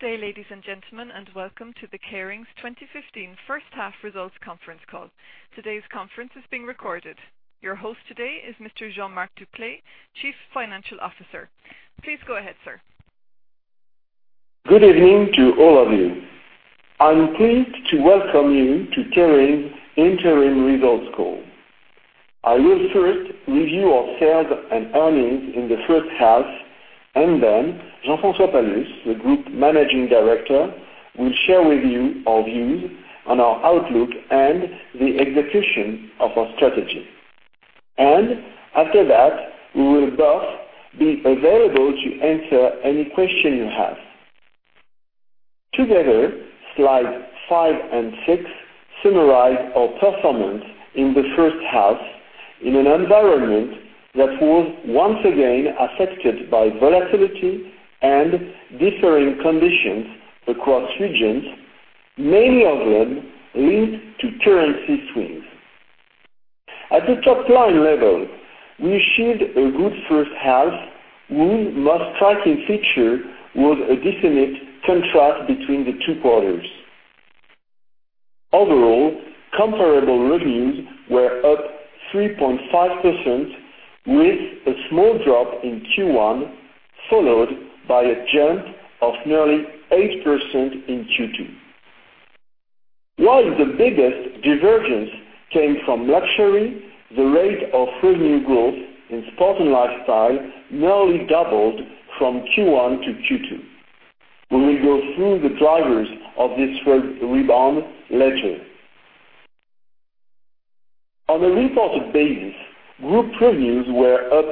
Good day, ladies and gentlemen, and welcome to the Kering's 2015 first half results conference call. Today's conference is being recorded. Your host today is Mr. Jean-Marc Duplaix, Chief Financial Officer. Please go ahead, sir. Good evening to all of you. I'm pleased to welcome you to Kering's interim results call. I will first review our sales and earnings in the first half, then Jean-François Palus, the Group Managing Director, will share with you our views on our outlook and the execution of our strategy. After that, we will both be available to answer any question you have. Together, slides five and six summarize our performance in the first half in an environment that was once again affected by volatility and differing conditions across regions, many of them linked to currency swings. At the top-line level, we achieved a good first half whose most striking feature was a definite contrast between the two quarters. Overall, comparable revenues were up 3.5% with a small drop in Q1, followed by a jump of nearly 8% in Q2. While the biggest divergence came from luxury, the rate of revenue growth in sport and lifestyle nearly doubled from Q1 to Q2. We will go through the drivers of this rebound later. On a reported basis, group revenues were up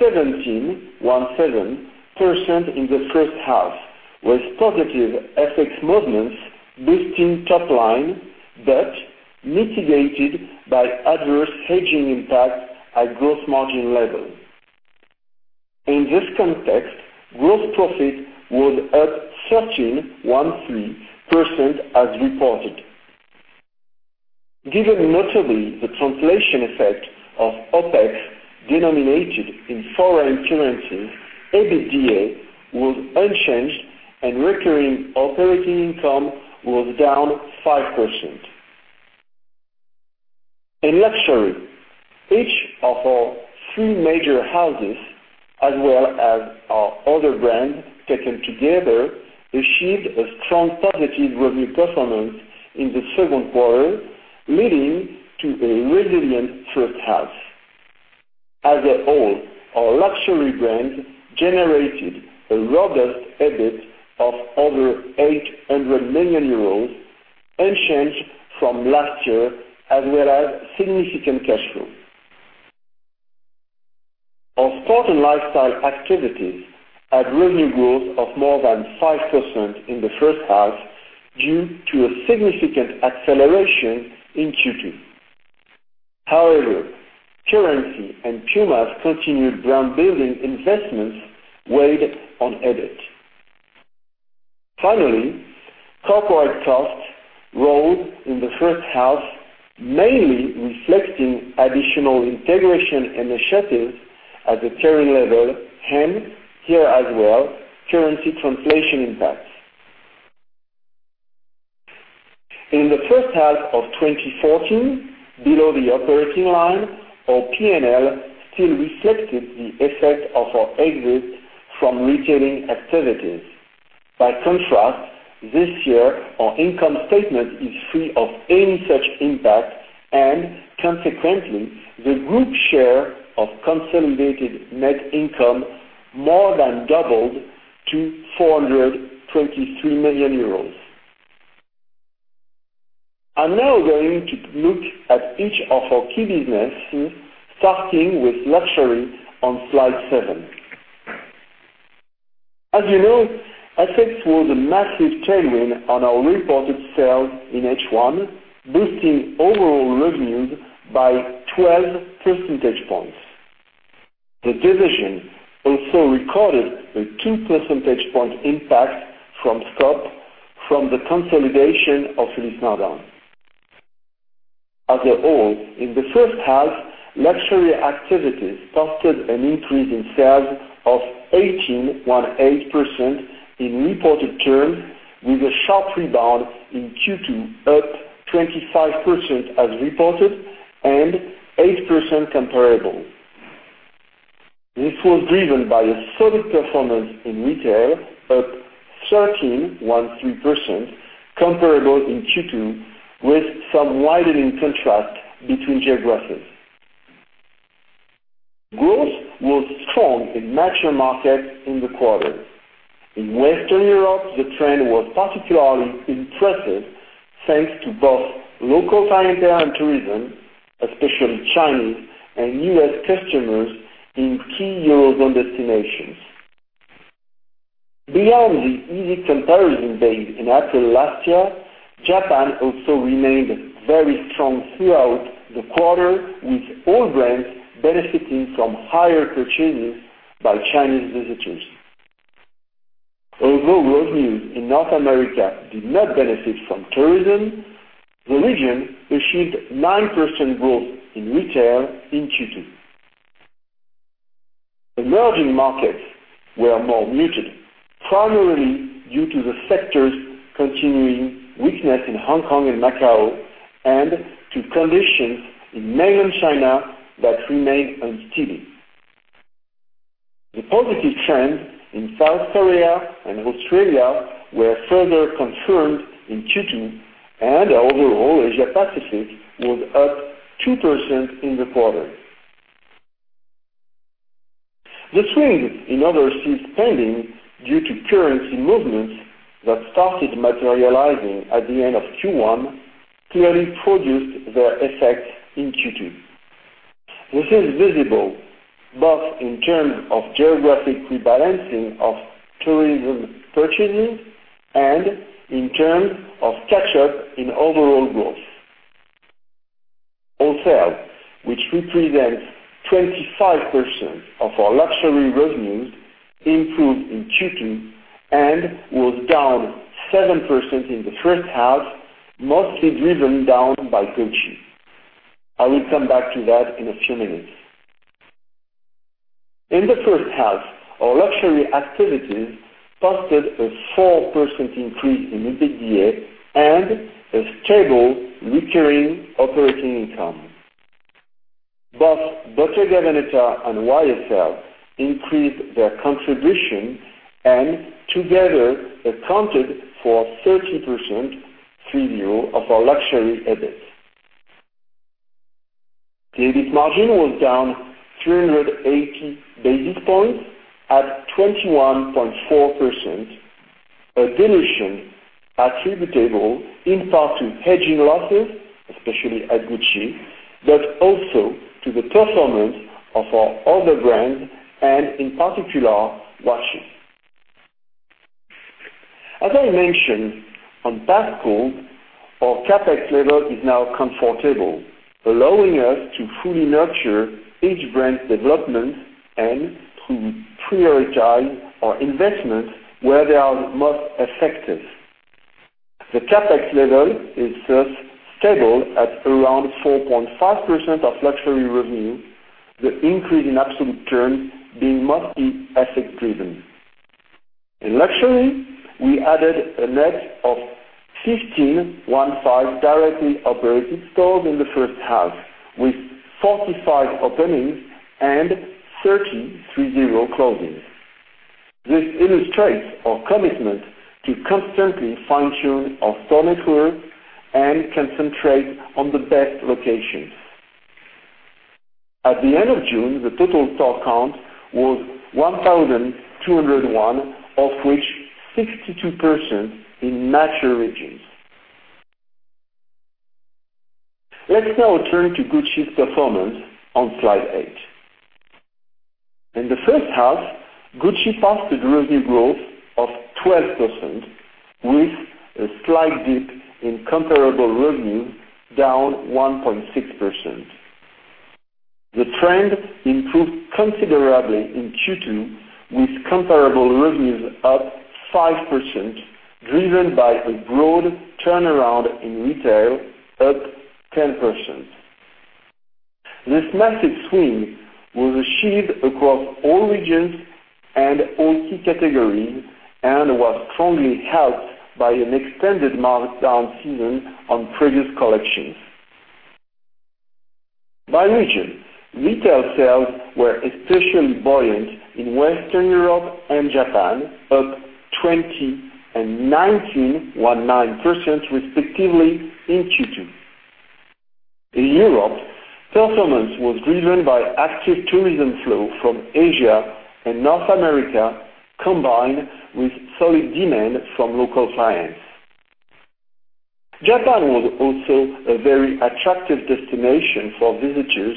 17% in the first half, with positive FX movements boosting top line, but mitigated by adverse hedging impact at gross margin level. In this context, gross profit was up 13% as reported. Given notably the translation effect of OPEX denominated in foreign currencies, EBITDA was unchanged and recurring operating income was down 5%. In luxury, each of our three major houses, as well as our other brands taken together, achieved a strong positive revenue performance in the second quarter, leading to a resilient first half. As a whole, our luxury brands generated a robust EBIT of over 800 million euros, unchanged from last year, as well as significant cash flow. Our sport and lifestyle activities had revenue growth of more than 5% in the first half due to a significant acceleration in Q2. However, currency and Puma's continued brand-building investments weighed on EBIT. Finally, corporate costs rose in the first half, mainly reflecting additional integration initiatives at the Kering level, and here as well, currency translation impacts. In the first half of 2014, below the operating line, our P&L still reflected the effect of our exit from retailing activities. By contrast, this year our income statement is free of any such impact, consequently, the group share of consolidated net income more than doubled to 423 million euros. I'm now going to look at each of our key businesses, starting with luxury on slide seven. As you know, FX was a massive tailwind on our reported sales in H1, boosting overall revenues by 12 percentage points. The division also recorded a two percentage point impact from scope from the consolidation of Yves Saint Laurent. As a whole, in the first half, luxury activities posted an increase in sales of 18.18% in reported terms, with a sharp rebound in Q2, up 25% as reported and 8% comparable. This was driven by a solid performance in retail, up 13.13% comparable in Q2, with some widening contrast between geographies. Growth was strong in mature markets in the quarter. In Western Europe, the trend was particularly impressive, thanks to both local clientele and tourism, especially Chinese and US customers in key eurozone destinations. Beyond the easy comparison base in April last year, Japan also remained very strong throughout the quarter, with all brands benefiting from higher purchases by Chinese visitors. Although revenues in North America did not benefit from tourism, the region achieved 9% growth in retail in Q2. Emerging markets were more muted, primarily due to the sector's continuing weakness in Hong Kong and Macau, and to conditions in mainland China that remain unsteady. The positive trends in South Korea and Australia were further confirmed in Q2, and overall Asia Pacific was up 2% in the quarter. The swing in overseas spending due to currency movements that started materializing at the end of Q1 clearly produced their effect in Q2. This is visible both in terms of geographic rebalancing of tourism purchases and in terms of catch-up in overall growth. Wholesale, which represents 25% of our luxury revenues, improved in Q2 and was down 7% in the first half, mostly driven down by Gucci. I will come back to that in a few minutes. In the first half, our luxury activities posted a 4% increase in EBITDA and a stable recurring operating income. Both Bottega Veneta and YSL increased their contribution and together accounted for 30% of our luxury EBIT. The EBIT margin was down 380 basis points at 21.4%, a dilution attributable in part to hedging losses, especially at Gucci, but also to the performance of our other brands and in particular, watches. As I mentioned on past calls, our CapEx level is now comfortable, allowing us to fully nurture each brand's development and to prioritize our investments where they are most effective. The CapEx level is thus stable at around 4.5% of luxury revenue, the increase in absolute terms being mostly FX-driven. In luxury, we added a net of 15, one-five, directly operated stores in the first half, with 45 openings and 30, three-zero, closings. This illustrates our commitment to constantly fine-tune our store network and concentrate on the best locations. At the end of June, the total store count was 1,201, of which 62% in mature regions. Let's now turn to Gucci's performance on Slide eight. In the first half, Gucci posted revenue growth of 12% with a slight dip in comparable revenue down 1.6%. The trend improved considerably in Q2 with comparable revenues up 5%, driven by a broad turnaround in retail up 10%. This massive swing was achieved across all regions and all key categories and was strongly helped by an extended markdown season on previous collections. By region, retail sales were especially buoyant in Western Europe and Japan, up 20% and 19% respectively in Q2. In Europe, performance was driven by active tourism flow from Asia and North America, combined with solid demand from local clients. Japan was also a very attractive destination for visitors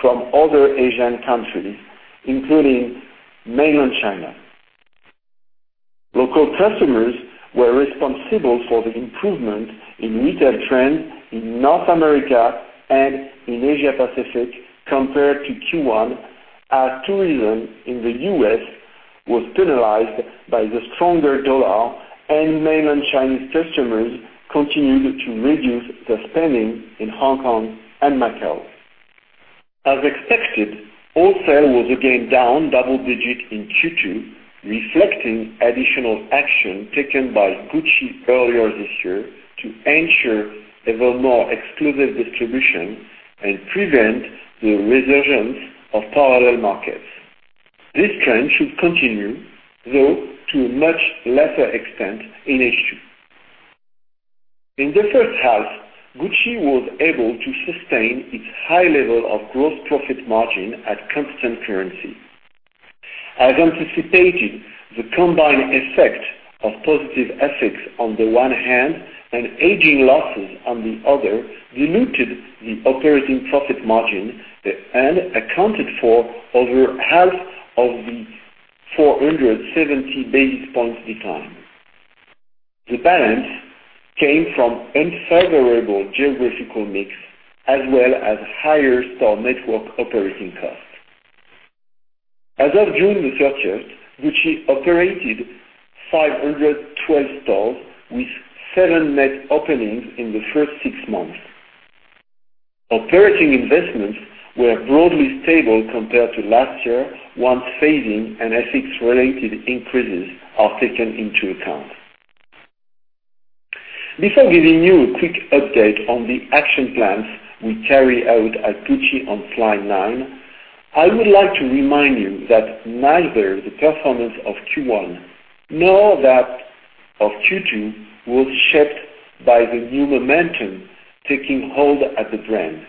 from other Asian countries, including mainland China. Local customers were responsible for the improvement in retail trends in North America and in Asia Pacific compared to Q1, as tourism in the U.S. was penalized by the stronger dollar, and mainland Chinese customers continued to reduce their spending in Hong Kong and Macau. As expected, wholesale was again down double digit in Q2, reflecting additional action taken by Gucci earlier this year to ensure even more exclusive distribution and prevent the resurgence of parallel markets. This trend should continue, though to a much lesser extent in H2. In the first half, Gucci was able to sustain its high level of gross profit margin at constant currency. As anticipated, the combined effect of positive FX on the one hand and hedging losses on the other diluted the operating profit margin and accounted for over half of the 470 basis points decline. The balance came from unfavorable geographical mix as well as higher store network operating costs. As of June 30th, Gucci operated 512 stores with seven net openings in the first six months. Operating investments were broadly stable compared to last year, once phasing and FX-related increases are taken into account. Before giving you a quick update on the action plans we carry out at Gucci on slide nine, I would like to remind you that neither the performance of Q1 nor that of Q2 was shaped by the new momentum taking hold at the brand.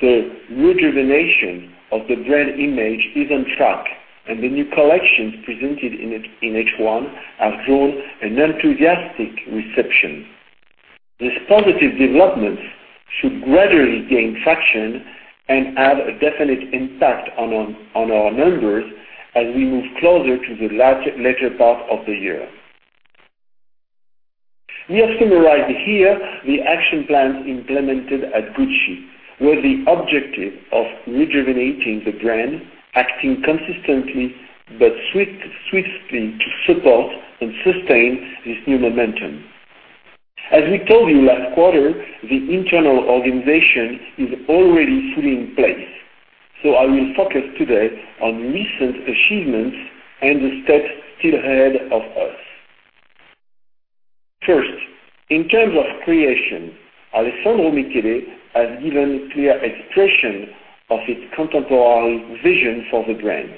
The rejuvenation of the brand image is on track, and the new collections presented in H1 have drawn an enthusiastic reception. These positive developments should gradually gain traction and have a definite impact on our numbers as we move closer to the latter part of the year. We have summarized here the action plans implemented at Gucci, with the objective of rejuvenating the brand, acting consistently but swiftly to support and sustain this new momentum. As we told you last quarter, the internal organization is already fully in place. I will focus today on recent achievements and the steps still ahead of us. First, in terms of creation, Alessandro Michele has given clear expression of his contemporary vision for the brand.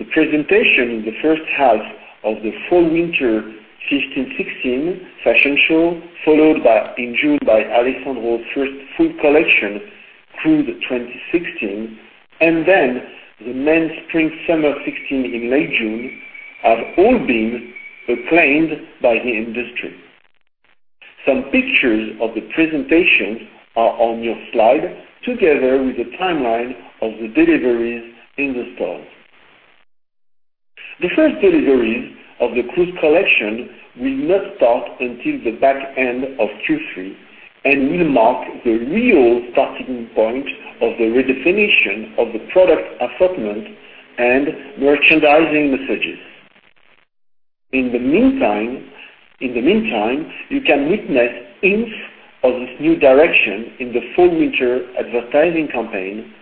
The presentation in the first half of the fall/winter 2015-2016 fashion show, followed in June by Alessandro's first full collection, Cruise 2016, and then the main spring/summer 2016 in late June, have all been acclaimed by the industry. Some pictures of the presentation are on your slide together with the timeline of the deliveries in the stores. The first deliveries of the Cruise collection will not start until the back end of Q3 and will mark the real starting point of the redefinition of the product assortment and merchandising messages. In the meantime, you can witness hints of this new direction in the fall/winter advertising campaign,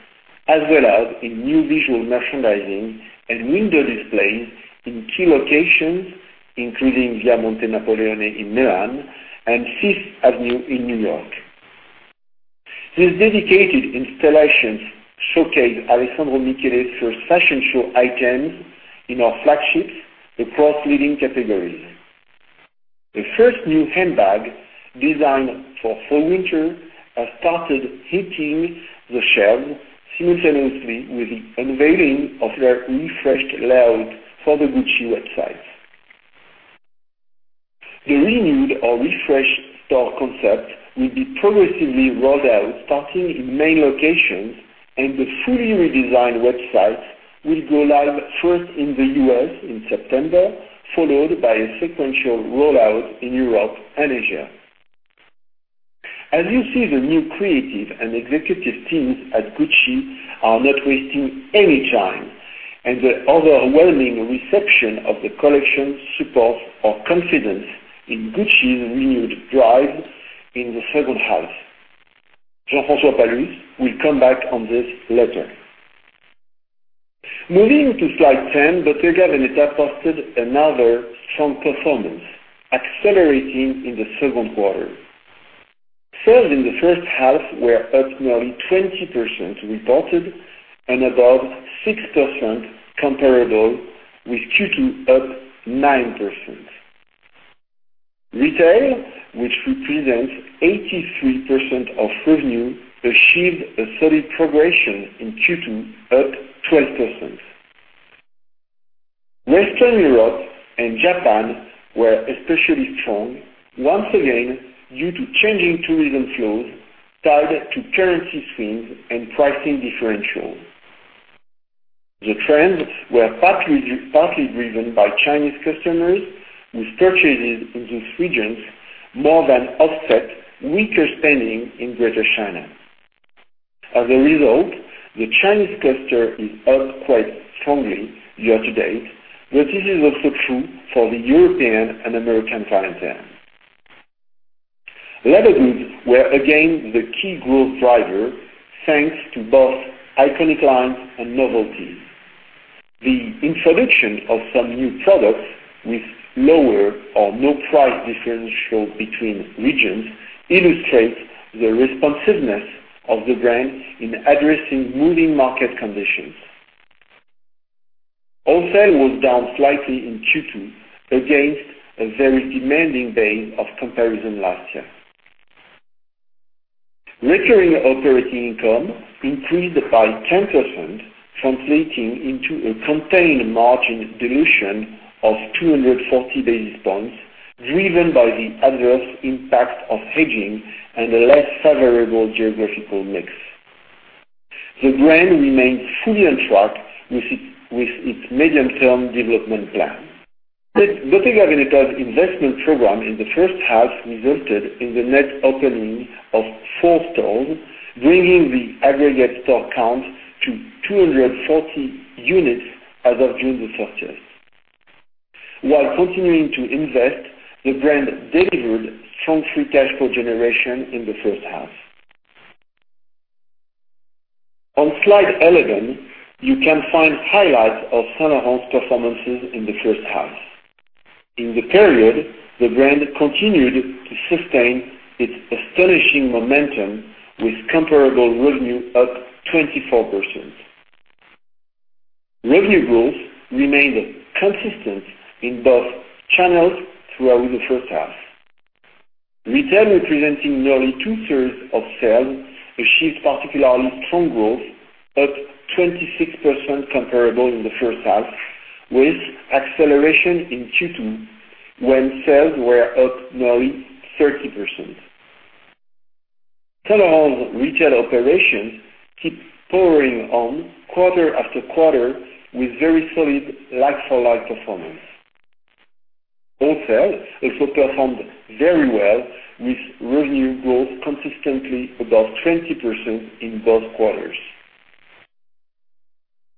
as well as in new visual merchandising and window displays in key locations, including Via Monte Napoleone in Milan and Fifth Avenue in New York. These dedicated installations showcase Alessandro Michele's first fashion show items in our flagships across leading categories. The first new handbag designed for fall/winter has started hitting the shelves simultaneously with the unveiling of a refreshed layout for the Gucci website. The renewed or refreshed store concept will be progressively rolled out starting in main locations, and the fully redesigned website will go live first in the U.S. in September, followed by a sequential rollout in Europe and Asia. As you see, the new creative and executive teams at Gucci are not wasting any time, and the overwhelming reception of the collection supports our confidence in Gucci's renewed drive in the second half. Jean-François Palus will come back on this later. Moving to slide 10, Bottega Veneta posted another strong performance, accelerating in the second quarter. Sales in the first half were up nearly 20%, reported, and above 6% comparable, with Q2 up 9%. Retail, which represents 83% of revenue, achieved a solid progression in Q2, up 12%. Western Europe and Japan were especially strong, once again due to changing tourism flows tied to currency swings and pricing differentials. The trends were partly driven by Chinese customers whose purchases in these regions more than offset weaker spending in Greater China. As a result, the Chinese cluster is up quite strongly year-to-date, but this is also true for the European and American clientele. Leather goods were again the key growth driver, thanks to both iconic lines and novelties. The introduction of some new products with lower or no price differential between regions illustrates the responsiveness of the brand in addressing moving market conditions. Wholesale was down slightly in Q2 against a very demanding base of comparison last year. Recurring operating income increased by 10%, translating into a contained margin dilution of 240 basis points, driven by the adverse impact of hedging and a less favorable geographical mix. The brand remains fully on track with its medium-term development plan. Bottega Veneta's investment program in the first half resulted in the net opening of four stores, bringing the aggregate store count to 240 units as of June the 30th. While continuing to invest, the brand delivered strong free cash flow generation in the first half. On slide 11, you can find highlights of Saint Laurent's performances in the first half. In the period, the brand continued to sustain its astonishing momentum, with comparable revenue up 24%. Revenue growth remained consistent in both channels throughout the first half. Retail, representing nearly two-thirds of sales, achieved particularly strong growth, up 26% comparable in the first half, with acceleration in Q2 when sales were up nearly 30%. Saint Laurent's retail operations keep powering on quarter after quarter with very solid like-for-like performance. Wholesale also performed very well, with revenue growth consistently above 20% in both quarters.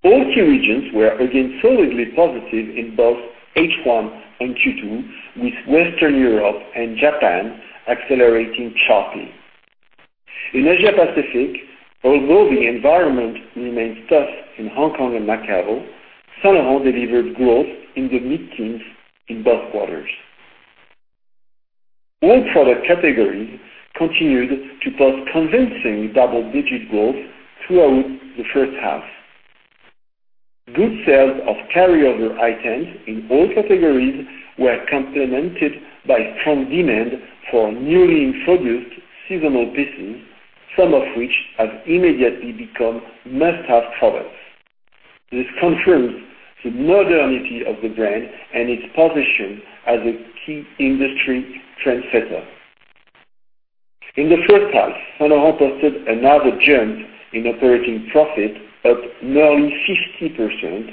All key regions were again solidly positive in both H1 and Q2, with Western Europe and Japan accelerating sharply. In Asia Pacific, although the environment remains tough in Hong Kong and Macau, Saint Laurent delivered growth in the mid-teens in both quarters. All product categories continued to post convincing double-digit growth throughout the first half. Good sales of carryover items in all categories were complemented by strong demand for newly introduced seasonal pieces, some of which have immediately become must-have products. This confirms the modernity of the brand and its position as a key industry trendsetter. In the first half, Saint Laurent posted another jump in operating profit, up nearly 50%,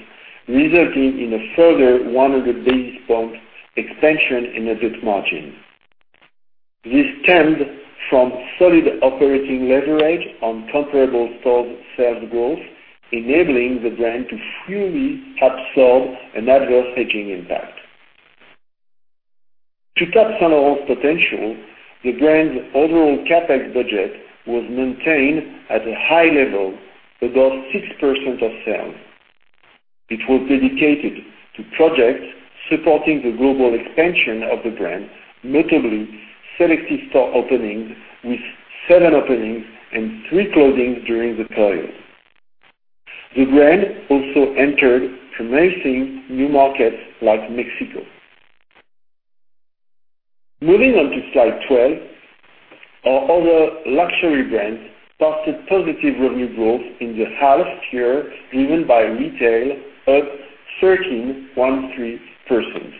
resulting in a further 100 basis points expansion in EBIT margin. This stemmed from solid operating leverage on comparable store sales growth, enabling the brand to fully absorb an adverse hedging impact. To tap Saint Laurent's potential, the brand's overall CapEx budget was maintained at a high level, above 6% of sales. It was dedicated to projects supporting the global expansion of the brand, notably selective store openings, with seven openings and three closings during the period. The brand also entered promising new markets like Mexico. Moving on to slide 12, our other luxury brands posted positive revenue growth in the half-year, driven by retail up 13.3%.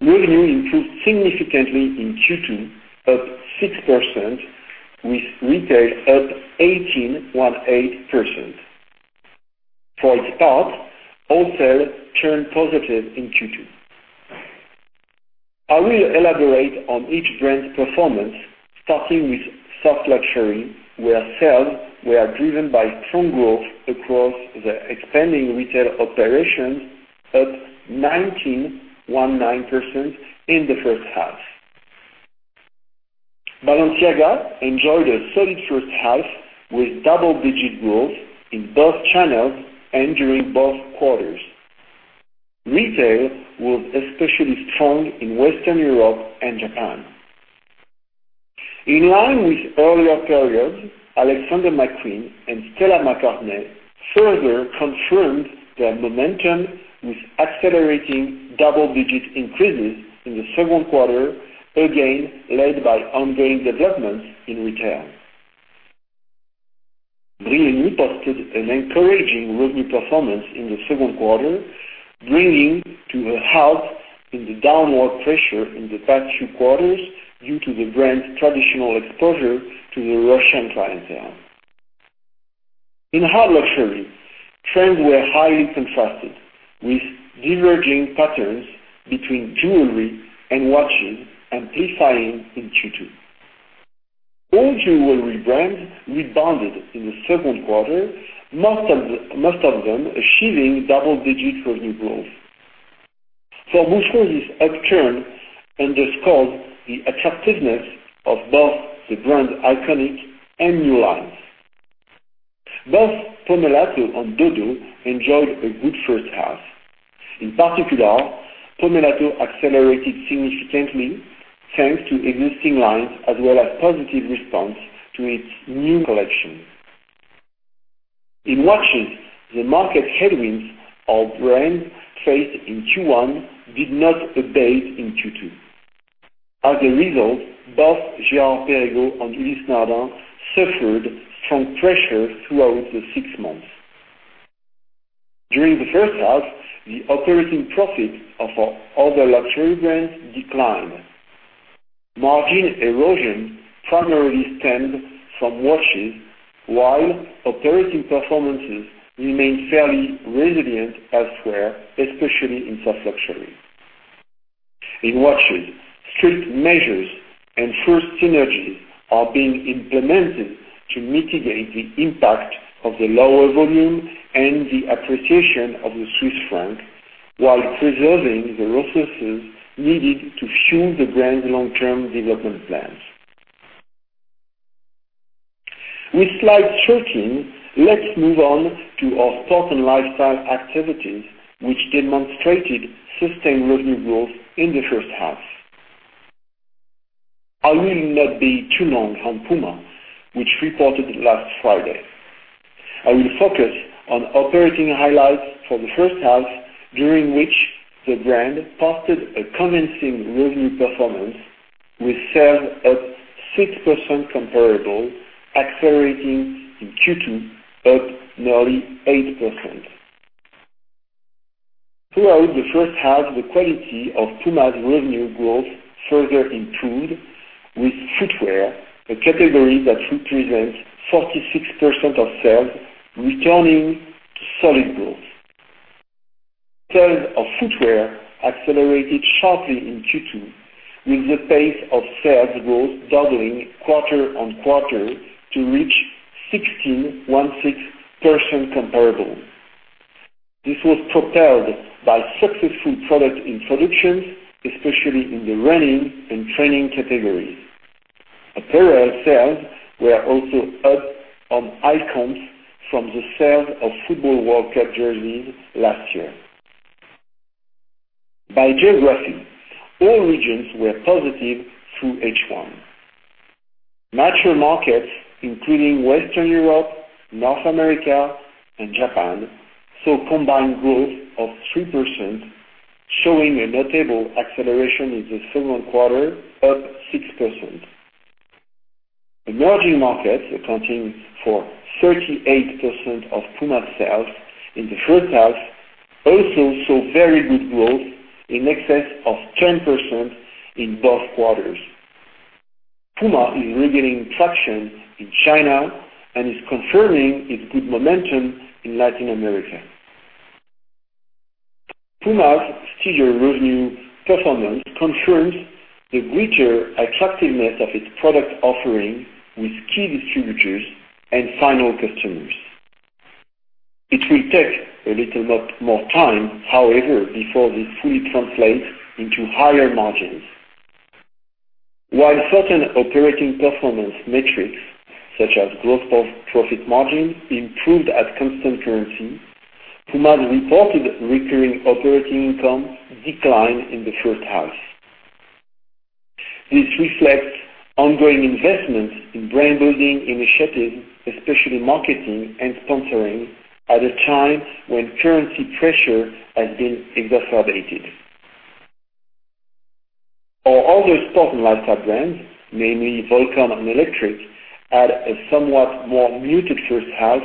Revenue improved significantly in Q2, up 6%, with retail up 18.8%. For its part, wholesale turned positive in Q2. I will elaborate on each brand's performance, starting with soft luxury, where sales were driven by strong growth across the expanding retail operations, up 19.9% in the first half. Balenciaga enjoyed a solid first half with double-digit growth in both channels and during both quarters. Retail was especially strong in Western Europe and Japan. In line with earlier periods, Alexander McQueen and Stella McCartney further confirmed their momentum with accelerating double-digit increases in the second quarter, again led by ongoing development in retail. Brioni posted an encouraging revenue performance in the second quarter, bringing to a halt the downward pressure in the past few quarters due to the brand's traditional exposure to the Russian clientele. In hard luxury, trends were highly contrasted, with diverging patterns between jewelry and watches amplifying in Q2. All jewelry brands rebounded in the second quarter, most of them achieving double-digit revenue growth. Boucheron's upturn underscores the attractiveness of both the brand's iconic and new lines. Both Pomellato and Dodo enjoyed a good first half. In particular, Pomellato accelerated significantly thanks to existing lines, as well as positive response to its new collection. In watches, the market headwinds our brands faced in Q1 did not abate in Q2. As a result, both Girard-Perregaux and Ulysse Nardin suffered from pressure throughout the six months. During the first half, the operating profit of our other luxury brands declined. Margin erosion primarily stemmed from watches, while operating performances remained fairly resilient elsewhere, especially in soft luxury. In watches, strict measures and first synergies are being implemented to mitigate the impact of the lower volume and the appreciation of the Swiss franc, while preserving the resources needed to fuel the brand's long-term development plans. With slide 13, let's move on to our sport and lifestyle activities, which demonstrated sustained revenue growth in the first half. I will not be too long on Puma, which reported last Friday. I will focus on operating highlights for the first half, during which the brand posted a convincing revenue performance with sales up 6% comparable, accelerating in Q2 up nearly 8%. Throughout the first half, the quality of Puma's revenue growth further improved with footwear, a category that represents 46% of sales, returning to solid growth. Sales of footwear accelerated sharply in Q2, with the pace of sales growth doubling quarter-on-quarter to reach 16.16% comparable. This was propelled by successful product introductions, especially in the running and training categories. Apparel sales were also up on high comps from the sale of Football World Cup jerseys last year. By geography, all regions were positive through H1. Mature markets, including Western Europe, North America, and Japan, saw combined growth of 3%, showing a notable acceleration in the second quarter, up 6%. Emerging markets, accounting for 38% of Puma sales in the first half, also saw very good growth, in excess of 10% in both quarters. Puma is regaining traction in China and is confirming its good momentum in Latin America. Puma's stronger revenue performance confirms the greater attractiveness of its product offering with key distributors and final customers. It will take a little bit more time, however, before this fully translates into higher margins. While certain operating performance metrics, such as gross profit margin, improved at constant currency, Puma's reported recurring operating income declined in the first half. This reflects ongoing investments in brand building initiatives, especially marketing and sponsoring, at a time when currency pressure has been exacerbated. Our other sport and lifestyle brands, namely Volcom and Electric, had a somewhat more muted first half,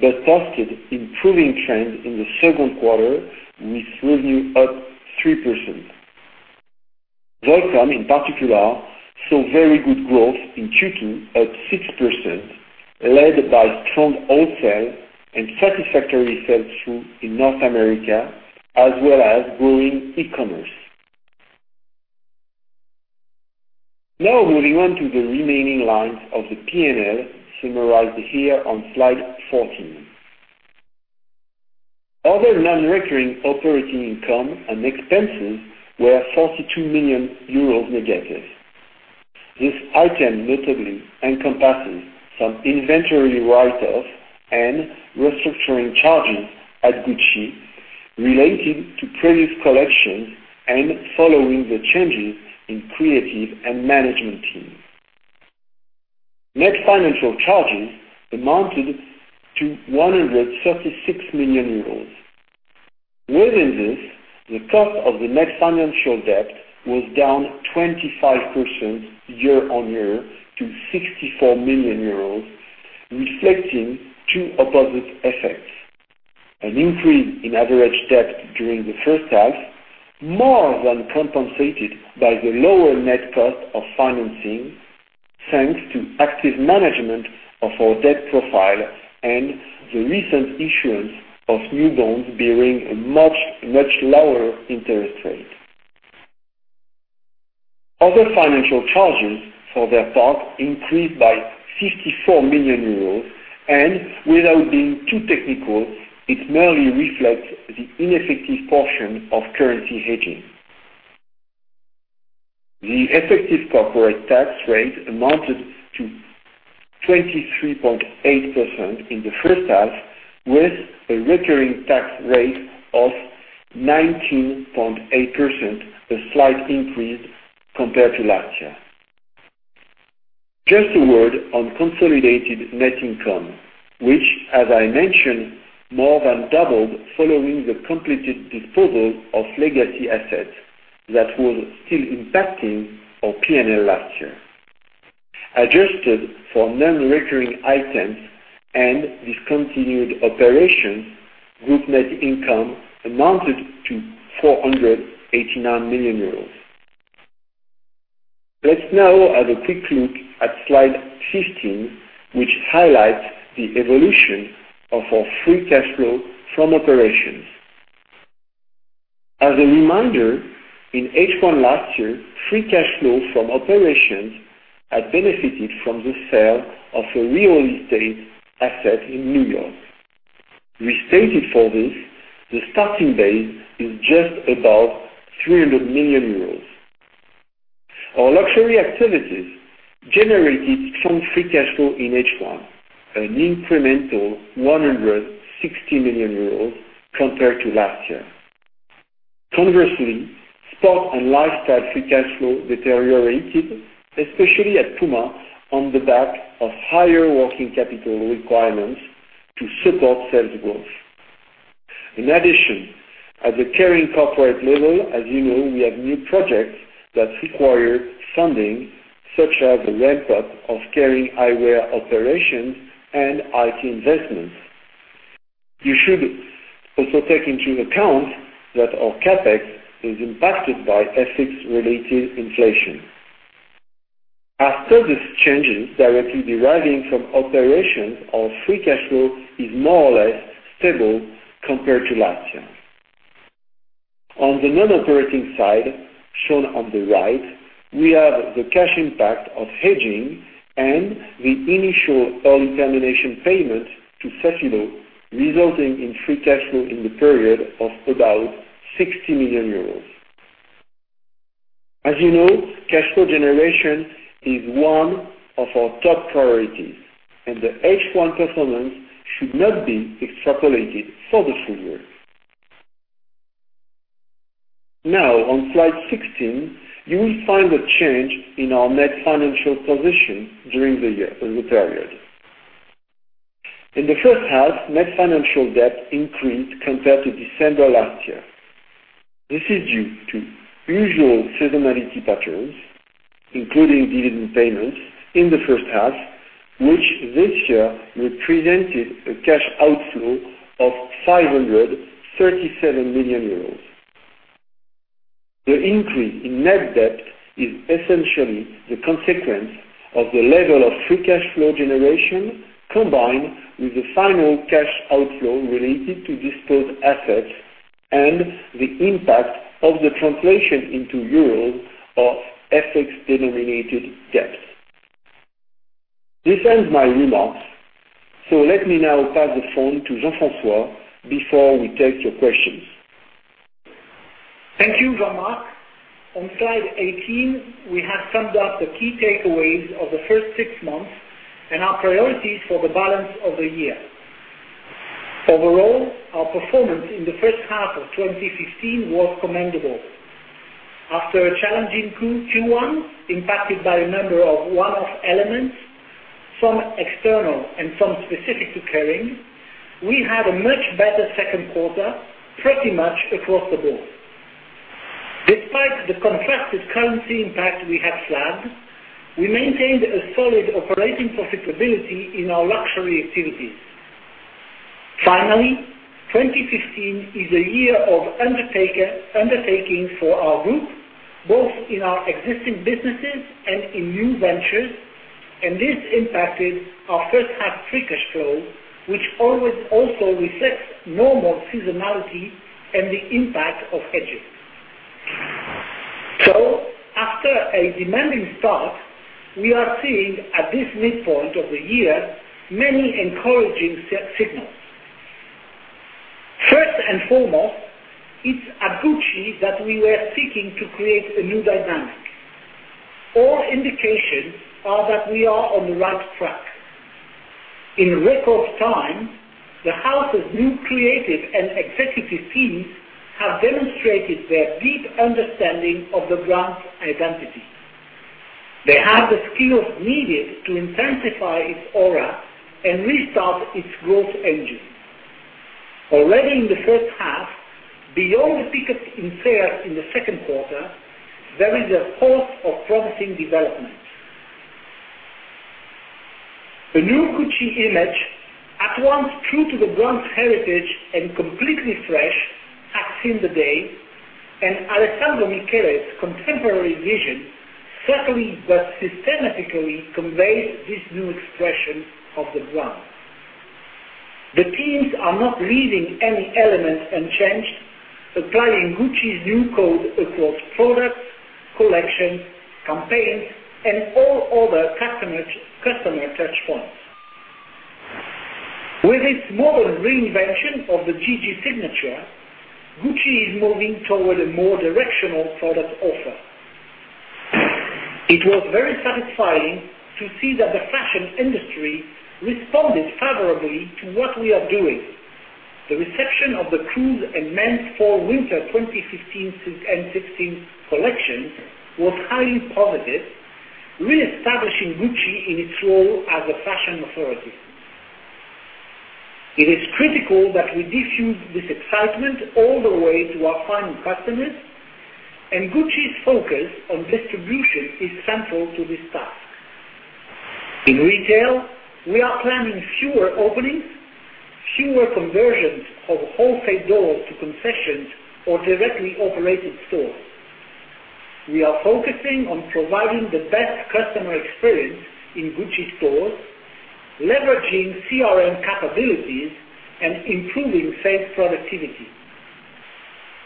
but posted improving trends in the second quarter, with revenue up 3%. Volcom, in particular, saw very good growth in Q2 at 6%, led by strong wholesale and satisfactory sell-through in North America, as well as growing e-commerce. Moving on to the remaining lines of the P&L summarized here on slide 14. Other non-recurring operating income and expenses were 42 million euros negative. This item notably encompasses some inventory write-offs and restructuring charges at Gucci relating to previous collections and following the changes in creative and management teams. Net financial charges amounted to 136 million euros. Within this, the cost of the net financial debt was down 25% year-on-year to 64 million euros, reflecting two opposite effects. An increase in average debt during the first half, more than compensated by the lower net cost of financing, thanks to active management of our debt profile and the recent issuance of new bonds bearing a much lower interest rate. Other financial charges, for their part, increased by 54 million euros. Without being too technical, it merely reflects the ineffective portion of currency hedging. The effective corporate tax rate amounted to 23.8% in the first half, with a recurring tax rate of 19.8%, a slight increase compared to last year. Just a word on consolidated net income, which, as I mentioned, more than doubled following the completed disposal of legacy assets that were still impacting our P&L last year. Adjusted for non-recurring items and discontinued operations, group net income amounted to 489 million euros. Let's now have a quick look at slide 15, which highlights the evolution of our free cash flow from operations. As a reminder, in H1 last year, free cash flow from operations had benefited from the sale of a real estate asset in New York. Restated for this, the starting base is just above 300 million euros. Our luxury activities generated strong free cash flow in H1, an incremental 160 million euros compared to last year. Conversely, sport and lifestyle free cash flow deteriorated, especially at Puma, on the back of higher working capital requirements to support sales growth. In addition, at the Kering corporate level, as you know, we have new projects that require funding, such as a ramp-up of Kering Eyewear operations and IT investments. You should also take into account that our CapEx is impacted by FX-related inflation. After these changes directly deriving from operations, our free cash flow is more or less stable compared to last year. On the non-operating side, shown on the right, we have the cash impact of hedging and the initial early termination payment to Safilo, resulting in free cash flow in the period of about 60 million euros. As you know, cash flow generation is one of our top priorities, and the H1 performance should not be extrapolated for the full year. On slide 16, you will find the change in our net financial position during the period. In the first half, net financial debt increased compared to December last year. This is due to usual seasonality patterns, including dividend payments in the first half, which this year represented a cash outflow of 537 million euros. The increase in net debt is essentially the consequence of the level of free cash flow generation, combined with the final cash outflow related to disposed assets and the impact of the translation into euro of FX-denominated debts. This ends my remarks. Let me now pass the phone to Jean-François before we take your questions. Thank you, Jean-Marc. On slide 18, we have summed up the key takeaways of the first six months and our priorities for the balance of the year. Overall, our performance in the first half of 2015 was commendable. After a challenging Q1 impacted by a number of one-off elements, some external and some specific to Kering, we had a much better second quarter, pretty much across the board. Despite the contrasting currency impact we have flagged, we maintained a solid operating profitability in our luxury activities. Finally, 2015 is a year of undertaking for our group, both in our existing businesses and in new ventures, and this impacted our first half free cash flow, which also reflects normal seasonality and the impact of hedging. After a demanding start, we are seeing at this midpoint of the year many encouraging signals. First and foremost, it's at Gucci that we were seeking to create a new dynamic. All indications are that we are on the right track. In record time, the house's new creative and executive teams have demonstrated their deep understanding of the brand's identity. They have the skills needed to intensify its aura and restart its growth engine. Already in the first half, beyond the pickup in sales in the second quarter, there is a host of promising developments. The new Gucci image, at once true to the brand's heritage and completely fresh, has seen the day, and Alessandro Michele's contemporary vision subtly but systematically conveys this new expression of the brand. The teams are not leaving any element unchanged, applying Gucci's new code across products, collections, campaigns, and all other customer touchpoints. With its modern reinvention of the GG signature, Gucci is moving toward a more directional product offer. It was very satisfying to see that the fashion industry responded favorably to what we are doing. The reception of the Cruise and Men's Fall/Winter 2015 and 2016 collection was highly positive, reestablishing Gucci in its role as a fashion authority. It is critical that we diffuse this excitement all the way to our final customers, and Gucci's focus on distribution is central to this task. In retail, we are planning fewer openings, fewer conversions of wholesale doors to concessions or directly operated stores. We are focusing on providing the best customer experience in Gucci stores, leveraging CRM capabilities, and improving sales productivity.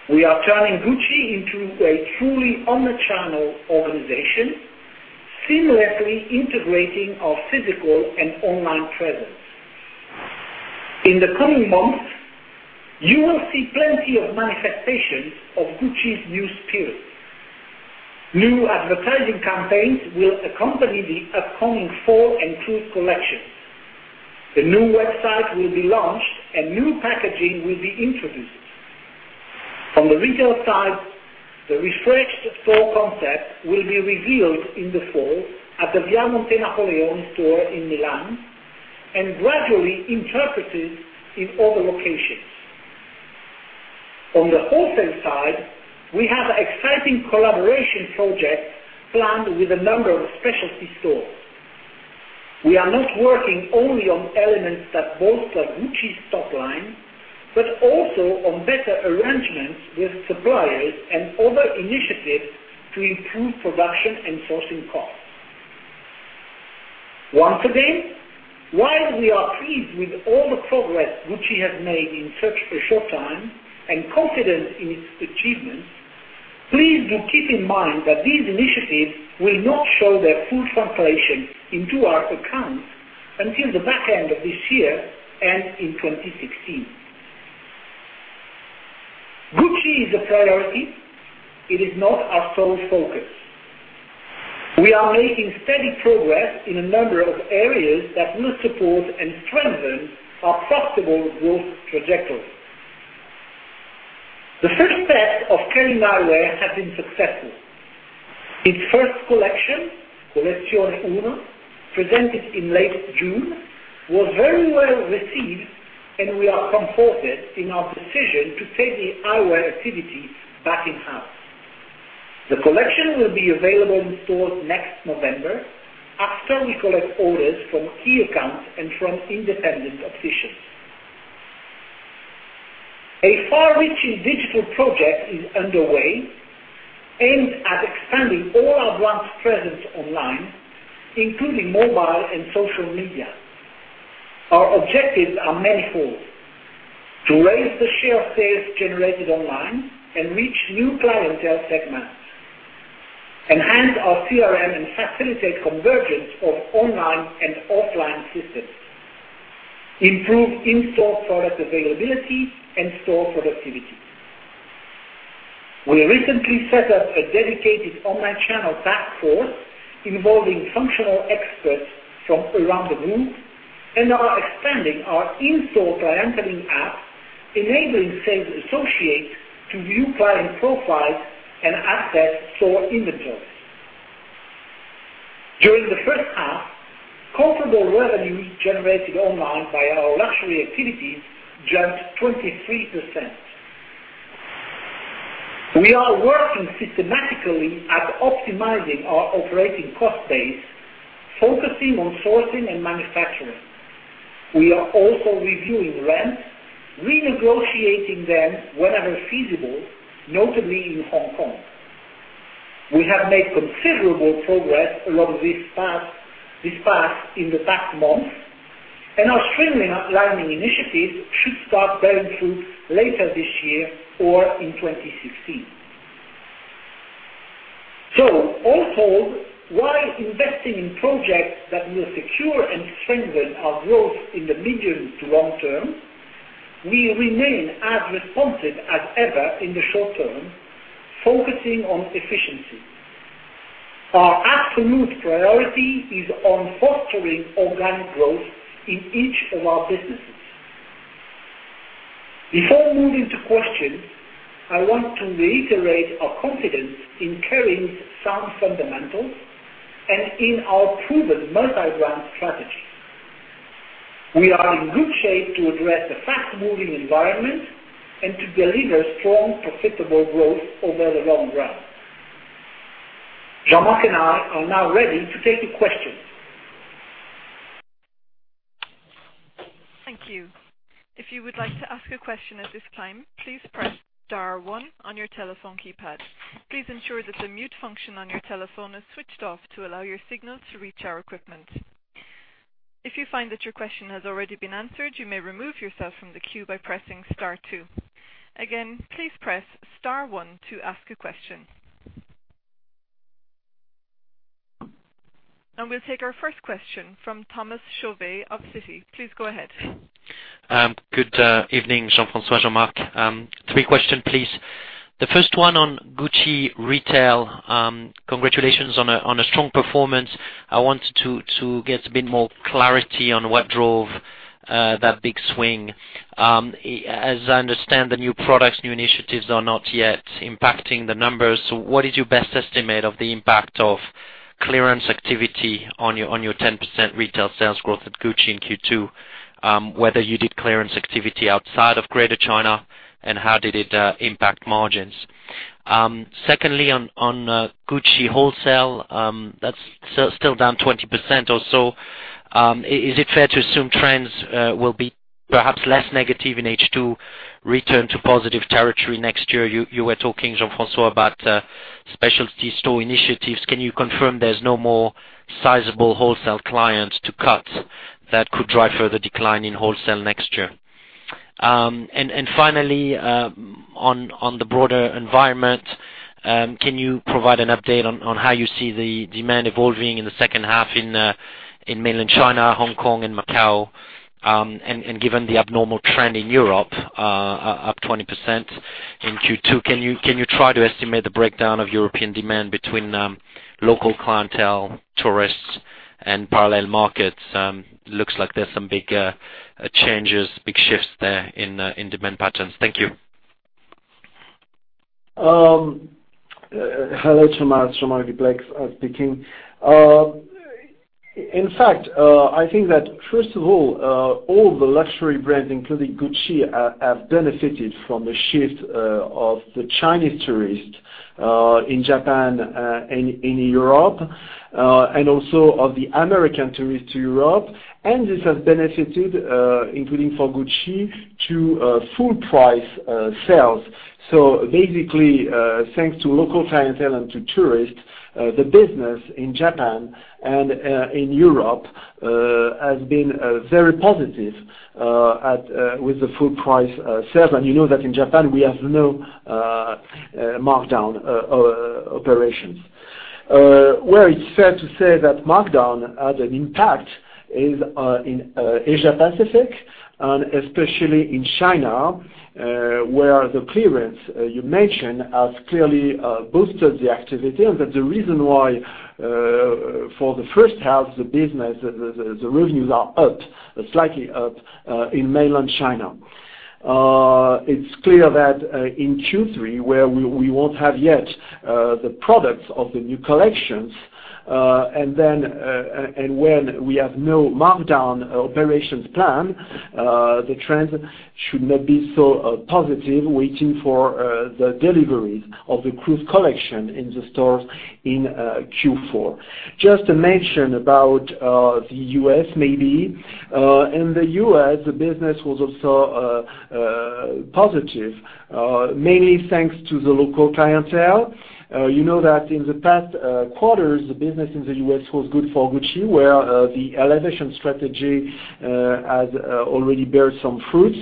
We are turning Gucci into a truly omni-channel organization, seamlessly integrating our physical and online presence. In the coming months, you will see plenty of manifestations of Gucci's new spirit. New advertising campaigns will accompany the upcoming fall and cruise collections. The new website will be launched, and new packaging will be introduced. On the retail side, the refreshed store concept will be revealed in the fall at the Via Monte Napoleone store in Milan and gradually interpreted in other locations. On the wholesale side, we have exciting collaboration projects planned with a number of specialty stores. We are not working only on elements that bolster Gucci's top line, but also on better arrangements with suppliers and other initiatives to improve production and sourcing costs. Once again, while we are pleased with all the progress Gucci has made in such a short time and confident in its achievements, please do keep in mind that these initiatives will not show their full translation into our accounts until the back end of this year and in 2016. Gucci is a priority. It is not our sole focus. We are making steady progress in a number of areas that will support and strengthen our profitable growth trajectory. The first test of Kering Eyewear has been successful. Its first collection, Collezione Uno, presented in late June, was very well received, and we are comforted in our decision to take the eyewear activity back in-house. The collection will be available in stores next November after we collect orders from key accounts and from independent opticians. A far-reaching digital project is underway aimed at expanding all our brands' presence online, including mobile and social media. Our objectives are manifold: to raise the share of sales generated online and reach new clientele segments, enhance our CRM, and facilitate convergence of online and offline systems, improve in-store product availability, and store productivity. We recently set up a dedicated online channel task force involving functional experts from around the Group and are expanding our in-store clienteling app, enabling sales associates to view client profiles and access store inventories. During the first half, comparable revenue generated online by our luxury activities jumped 23%. We are working systematically at optimizing our operating cost base, focusing on sourcing and manufacturing. We are also reviewing rents, renegotiating them wherever feasible, notably in Hong Kong. We have made considerable progress along this path in the past months, and our streamlining initiatives should start bearing fruit later this year or in 2016. All told, while investing in projects that will secure and strengthen our growth in the medium to long term, we remain as responsive as ever in the short term, focusing on efficiency. Our absolute priority is on fostering organic growth in each of our businesses. Before moving to questions, I want to reiterate our confidence in Kering's sound fundamentals and in our proven multi-brand strategy. We are in good shape to address a fast-moving environment and to deliver strong, profitable growth over the long run. Jean-Marc and I are now ready to take your questions. Thank you. If you would like to ask a question at this time, please press star one on your telephone keypad. Please ensure that the mute function on your telephone is switched off to allow your signal to reach our equipment. If you find that your question has already been answered, you may remove yourself from the queue by pressing star two. Again, please press star one to ask a question. We'll take our first question from Thomas Chauvet of Citi. Please go ahead. Good evening, Jean-François, Jean-Marc. Three question, please. The first one on Gucci retail. Congratulations on a strong performance. I want to get a bit more clarity on what drove that big swing. As I understand, the new products, new initiatives are not yet impacting the numbers. What is your best estimate of the impact of clearance activity on your 10% retail sales growth at Gucci in Q2, whether you did clearance activity outside of Greater China, and how did it impact margins? Secondly, on Gucci wholesale, that's still down 20% or so. Is it fair to assume trends will be perhaps less negative in H2, return to positive territory next year? You were talking, Jean-François, about specialty store initiatives. Can you confirm there's no more sizable wholesale clients to cut that could drive further decline in wholesale next year? Finally, on the broader environment, can you provide an update on how you see the demand evolving in the second half in Mainland China, Hong Kong, and Macau? Given the abnormal trend in Europe, up 20% in Q2, can you try to estimate the breakdown of European demand between local clientele, tourists, and parallel markets? Looks like there's some big changes, big shifts there in demand patterns. Thank you. Hello, Thomas. Jean-Marc Duplaix speaking. In fact, I think that first of all the luxury brands, including Gucci, have benefited from the shift of the Chinese tourists in Japan and in Europe, also of the American tourists to Europe. This has benefited, including for Gucci, to full-price sales. Basically, thanks to local clientele and to tourists, the business in Japan and in Europe has been very positive with the full-price sales. You know that in Japan we have no markdown operations. Where it's fair to say that markdown had an impact is in Asia-Pacific and especially in China, where the clearance you mentioned has clearly boosted the activity and that the reason why for the first half-year the business, the revenues are up, slightly up, in Mainland China. It's clear that in Q3, where we won't have yet the products of the new collections, and when we have no markdown operations planned, the trends should not be so positive waiting for the deliveries of the cruise collection in the stores in Q4. Just to mention about the U.S. maybe. In the U.S., the business was also positive, mainly thanks to the local clientele. You know that in the past quarters, the business in the U.S. was good for Gucci, where the elevation strategy has already bear some fruits.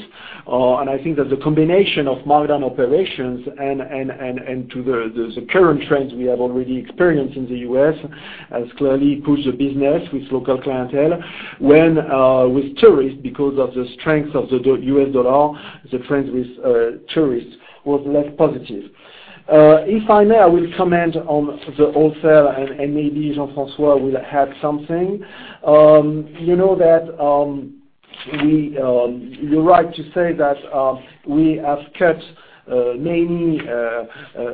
I think that the combination of markdown operations and to the current trends we have already experienced in the U.S. has clearly pushed the business with local clientele. When with tourists, because of the strength of the U.S. dollar, the trend with tourists was less positive. If I may, I will comment on the wholesale and maybe Jean-François will add something. You're right to say that we have cut many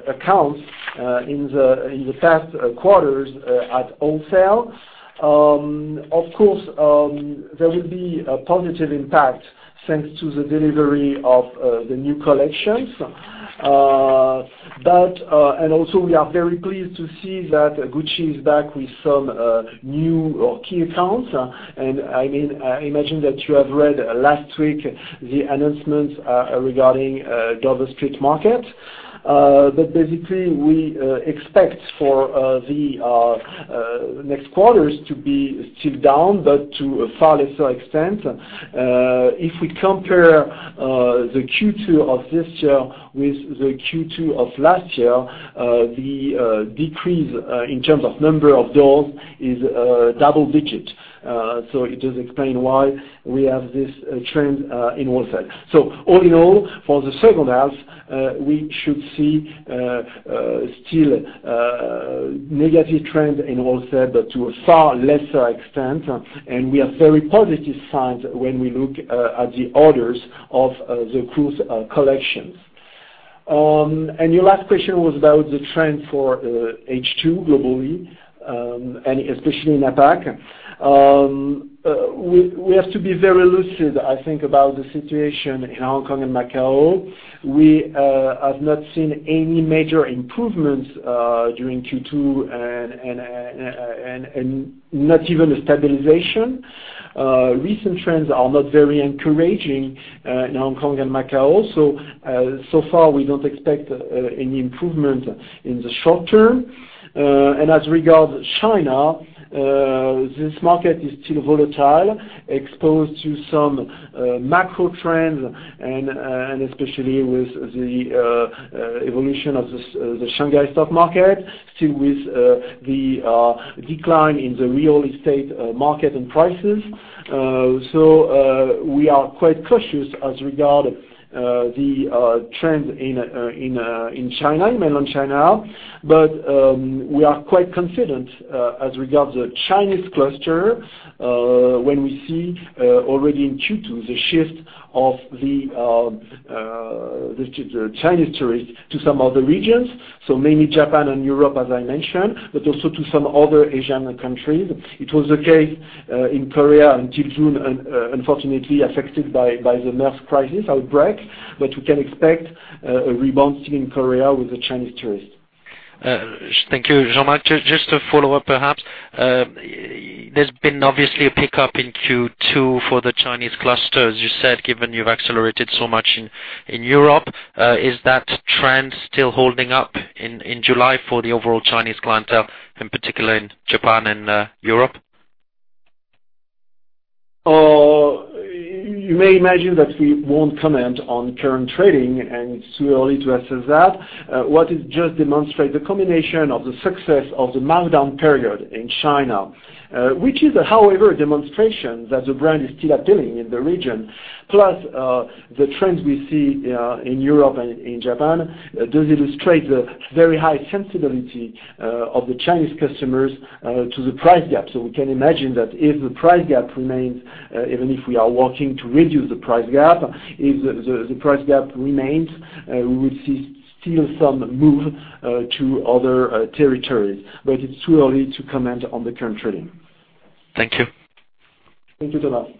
accounts in the past quarters at wholesale. Of course, there will be a positive impact thanks to the delivery of the new collections. Also, we are very pleased to see that Gucci is back with some new or key accounts. I imagine that you have read last week the announcements regarding Dover Street Market. Basically, we expect for the next quarters to be still down, but to a far lesser extent. If we compare the Q2 of this year with the Q2 of last year, the decrease in terms of number of doors is double digit. It does explain why we have this trend in wholesale. All in all, for the second half-year, we should see still negative trend in wholesale, but to a far lesser extent, and we have very positive signs when we look at the orders of the cruise collections. Your last question was about the trend for H2 globally, and especially in APAC. We have to be very lucid, I think, about the situation in Hong Kong and Macau. We have not seen any major improvements during Q2 and not even a stabilization. Recent trends are not very encouraging in Hong Kong and Macau. So far we don't expect any improvement in the short term. As regard China, this market is still volatile, exposed to some macro trends and especially with the evolution of the Shanghai stock market, still with the decline in the real estate market and prices. We are quite cautious as regards the trend in Mainland China. We are quite confident as regards the Chinese cluster, when we see already in Q2 the shift of the Chinese tourists to some other regions, mainly Japan and Europe, as I mentioned, but also to some other Asian countries. It was the case in Korea until June, unfortunately affected by the MERS crisis outbreak, but we can expect a rebounding in Korea with the Chinese tourists. Thank you, Jean-Marc. Just a follow-up perhaps. There's been obviously a pickup in Q2 for the Chinese cluster, as you said, given you've accelerated so much in Europe. Is that trend still holding up in July for the overall Chinese clientele, in particular in Japan and Europe? You may imagine that we won't comment on current trading, it's too early to assess that. What it just demonstrates, the combination of the success of the markdown period in China, which is, however, a demonstration that the brand is still appealing in the region. The trends we see in Europe and in Japan do illustrate the very high sensibility of the Chinese customers to the price gap. We can imagine that if the price gap remains, even if we are working to reduce the price gap, if the price gap remains, we will see still some move to other territories, but it's too early to comment on the current trading. Thank you. Thank you, Thomas.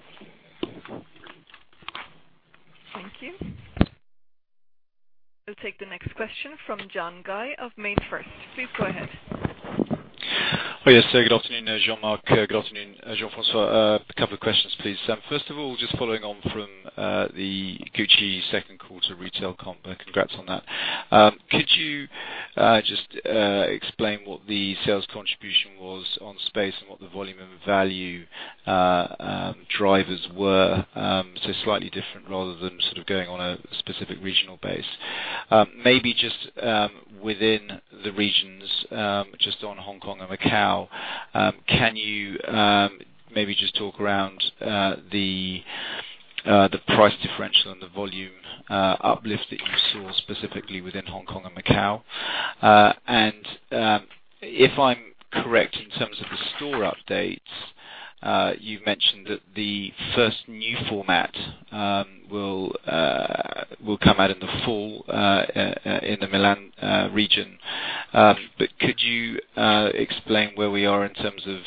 Thank you. We'll take the next question from John Guy of MainFirst. Please go ahead. Yes, good afternoon, Jean-Marc. Good afternoon, Jean-François. A couple of questions, please. First of all, just following on from the Gucci second quarter retail comp, and congrats on that. Could you just explain what the sales contribution was on space and what the volume and value drivers were? Slightly different, rather than sort of going on a specific regional base. Maybe just within the regions, just on Hong Kong and Macau, can you maybe just talk around the price differential and the volume uplift that you saw specifically within Hong Kong and Macau? And if I'm correct in terms of the store updates, you've mentioned that the first new format will come out in the fall in the Milan region. Could you explain where we are in terms of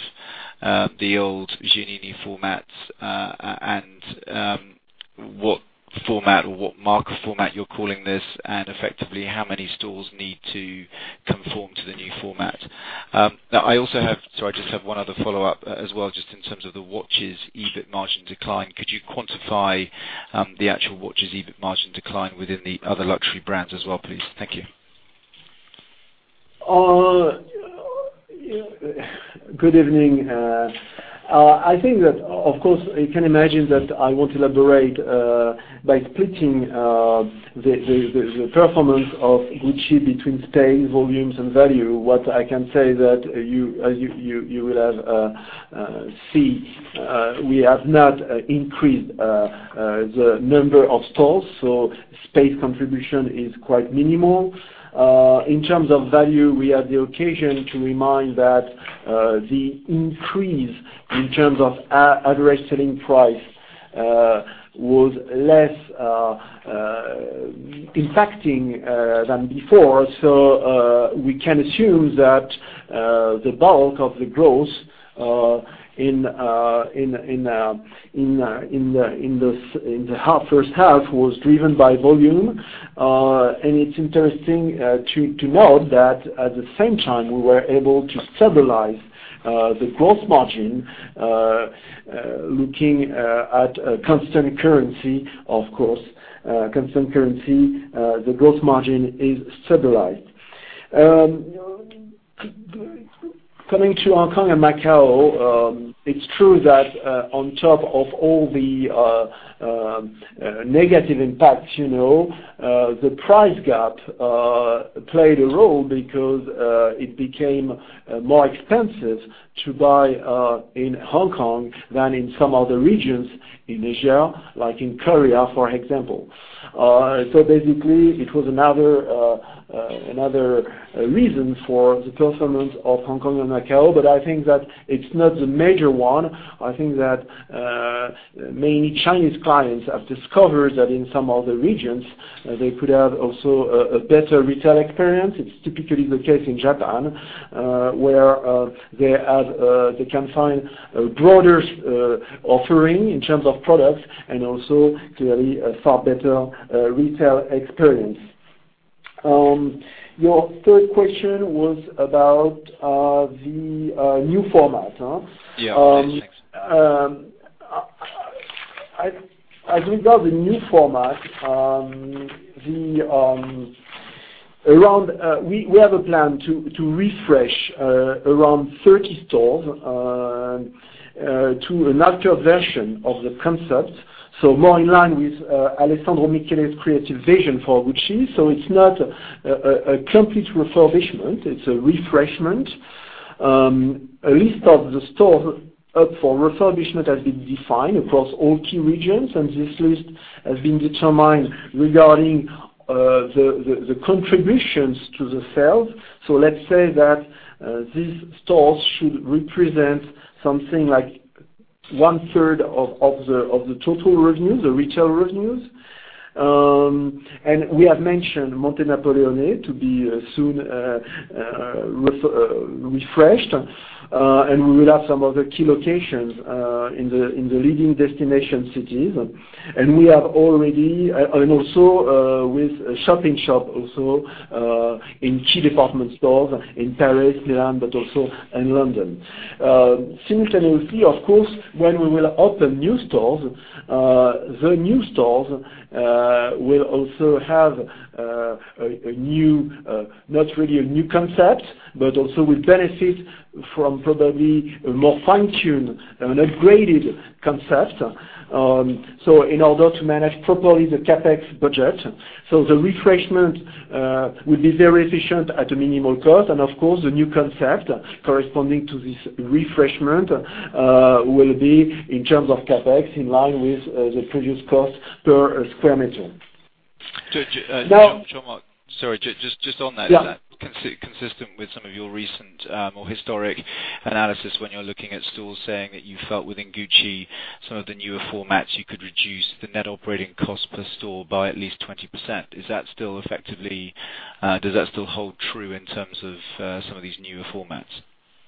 the old Giannini formats, and what format or what mark format you're calling this, and effectively how many stores need to conform to the new format? Sorry, I just have one other follow-up as well, just in terms of the watches EBIT margin decline. Could you quantify the actual watches EBIT margin decline within the other luxury brands as well, please? Thank you. Good evening. I think that, of course, you can imagine that I want to elaborate by splitting the performance of Gucci between space, volumes, and value. What I can say that you will have see, we have not increased the number of stores, space contribution is quite minimal. In terms of value, we had the occasion to remind that the increase in terms of average selling price was less impacting than before. We can assume that the bulk of the growth in the first half was driven by volume. It's interesting to note that at the same time, we were able to stabilize the gross margin, looking at constant currency, of course. Constant currency, the gross margin is stabilized. Coming to Hong Kong and Macau, it's true that on top of all the negative impacts, the price gap played a role because it became more expensive to buy in Hong Kong than in some other regions in Asia, like in Korea, for example. Basically, it was another reason for the performance of Hong Kong and Macau, but I think that it's not the major one. I think that many Chinese clients have discovered that in some other regions, they could have also a better retail experience. It's typically the case in Japan, where they can find a broader offering in terms of products and also clearly a far better retail experience. Your third question was about the new format, huh? Yeah. Thanks. As regard the new format, we have a plan to refresh around 30 stores to an altered version of the concept. More in line with Alessandro Michele's creative vision for Gucci. It's not a complete refurbishment, it's a refreshment. A list of the stores up for refurbishment has been defined across all key regions. This list has been determined regarding the contributions to the sales. Let's say that these stores should represent something like one third of the total revenue, the retail revenues. We have mentioned Monte Napoleone to be soon refreshed. We will have some other key locations in the leading destination cities. Also with a shop-in-shop also in key department stores in Paris, Milan, but also in London. Simultaneously, of course, when we will open new stores, the new stores will also have not really a new concept, but also will benefit from probably a more fine-tuned and upgraded concept, so in order to manage properly the CapEx budget. The refreshment will be very efficient at a minimal cost. Of course, the new concept corresponding to this refreshment will be, in terms of CapEx, in line with the previous cost per square meter. Jean-Marc, sorry, just on that- Yeah. Is that consistent with some of your recent or historic analysis when you're looking at stores, saying that you felt within Gucci, some of the newer formats, you could reduce the net operating cost per store by at least 20%? Does that still hold true in terms of some of these newer formats?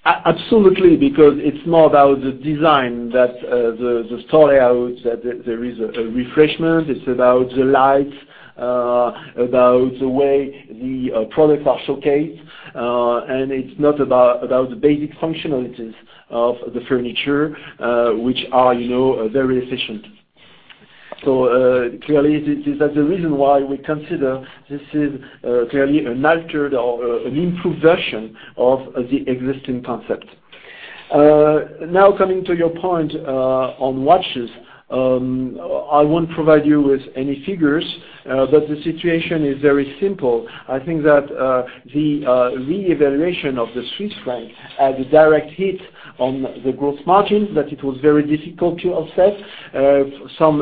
Absolutely. Because it's more about the design, the store layout, that there is a refreshment. It's about the lights, about the way the products are showcased. It's not about the basic functionalities of the furniture, which are very efficient. Clearly, that's the reason why we consider this is clearly an altered or an improved version of the existing concept. Now, coming to your point on watches. I won't provide you with any figures, but the situation is very simple. I think that the reevaluation of the Swiss franc had a direct hit on the gross margin, that it was very difficult to offset. Some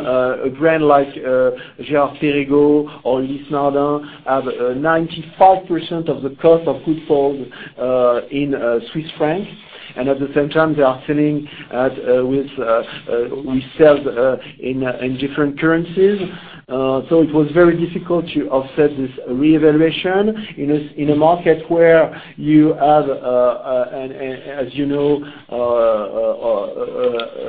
brand like Girard-Perregaux or Ulysse Nardin have 95% of the cost of good sold in CHF. At the same time, we sell in different currencies. It was very difficult to offset this reevaluation in a market where you have, as you know,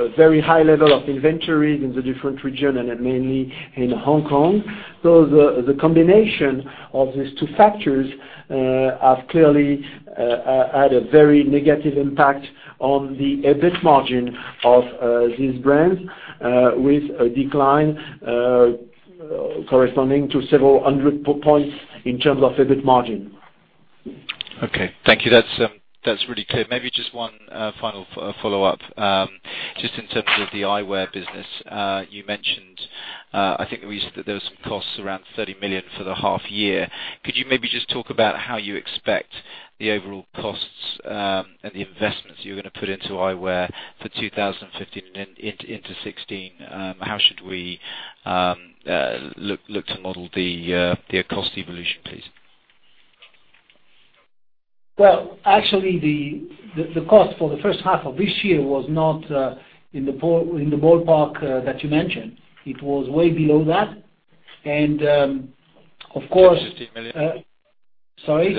a very high level of inventory in the different region and mainly in Hong Kong. The combination of these two factors have clearly had a very negative impact on the EBIT margin of these brands, with a decline corresponding to several hundred points in terms of EBIT margin. Okay. Thank you. That's really clear. Maybe just one final follow-up. Just in terms of the eyewear business. You mentioned, I think there was some costs around 30 million for the half-year. Could you maybe just talk about how you expect the overall costs and the investments you're going to put into eyewear for 2015 and into 2016? How should we look to model the cost evolution, please? Well, actually, the cost for the first half of this year was not in the ballpark that you mentioned. It was way below that. Is it 15 million? Sorry?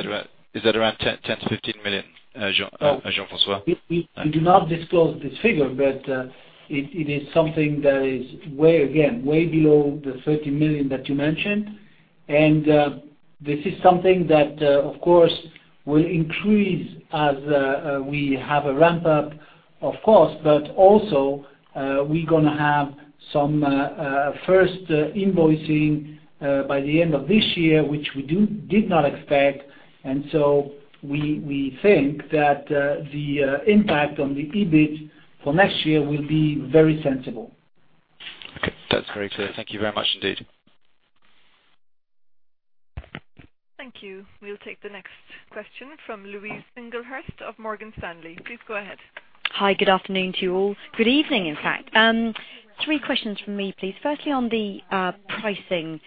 Is that around 10 million-15 million, Jean-François? We do not disclose this figure, but it is something that is, again, way below the 30 million that you mentioned. This is something that, of course, will increase as we have a ramp-up, of course, but also, we're going to have some first invoicing by the end of this year, which we did not expect. So we think that the impact on the EBIT for next year will be very sensible. Okay. That's very clear. Thank you very much indeed. Thank you. We'll take the next question from Louise Singlehurst of Morgan Stanley. Please go ahead. Hi. Good afternoon to you all. Good evening, in fact. Three questions from me, please. Firstly, on the pricing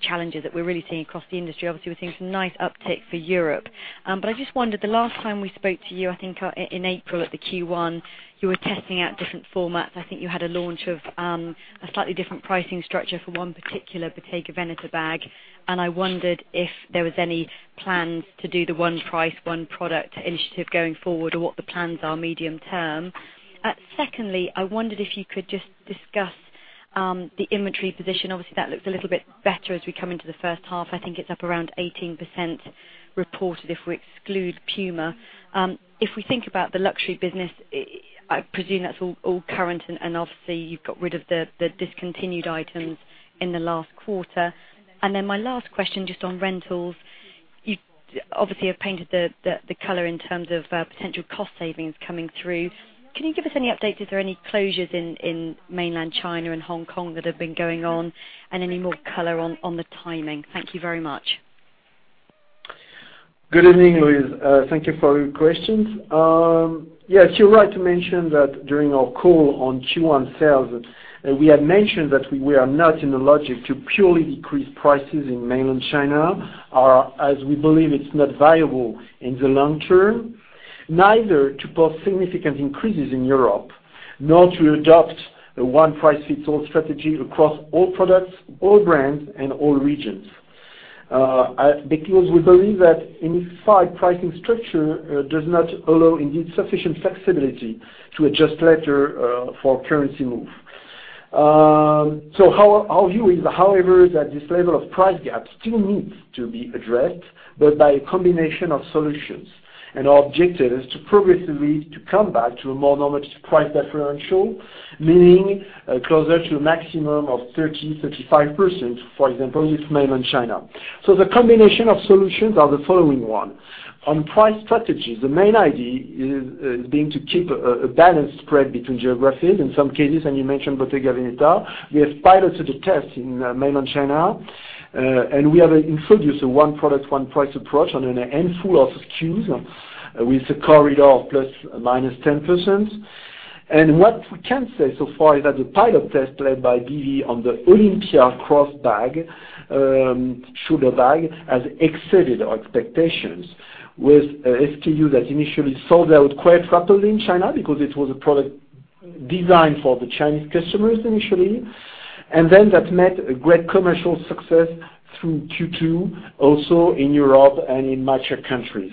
challenges that we're really seeing across the industry. Obviously, we're seeing some nice uptick for Europe. I just wondered, the last time we spoke to you, I think in April at the Q1, you were testing out different formats. I think you had a launch of a slightly different pricing structure for one particular Bottega Veneta bag, and I wondered if there were any plans to do the one price, one product initiative going forward, or what the plans are medium term. Secondly, I wondered if you could just discuss the inventory position. Obviously, that looks a little bit better as we come into the first half. I think it's up around 18% reported if we exclude Puma. If we think about the luxury business, I presume that's all current, and obviously, you've got rid of the discontinued items in the last quarter. My last question, just on rentals. You obviously have painted the color in terms of potential cost savings coming through. Can you give us any update? Are there any closures in mainland China and Hong Kong that have been going on? Any more color on the timing. Thank you very much. Good evening, Louise. Thank you for your questions. Yes, you're right to mention that during our call on Q1 sales, we had mentioned that we are not in a logic to purely decrease prices in mainland China, as we believe it's not viable in the long term. Neither to post significant increases in Europe, nor to adopt a one-price-fits-all strategy across all products, all brands, and all regions. We believe that any fixed pricing structure does not allow indeed sufficient flexibility to adjust later for currency move. Our view is, however, that this level of price gap still needs to be addressed, but by a combination of solutions. Our objective is to progressively to come back to a more normal price differential, meaning, closer to a maximum of 30%-35%, for example, with mainland China. The combination of solutions are the following one. On price strategy, the main idea is being to keep a balanced spread between geographies in some cases, and you mentioned Bottega Veneta. We have piloted a test in mainland China, and we have introduced a one product, one price approach on a handful of SKUs with a corridor of ±10%. What we can say so far is that the pilot test led by BV on the Olimpia cross bag, shoulder bag, has exceeded our expectations with a SKU that initially sold out quite rapidly in China because it was a product designed for the Chinese customers initially. That met a great commercial success through Q2, also in Europe and in mature countries.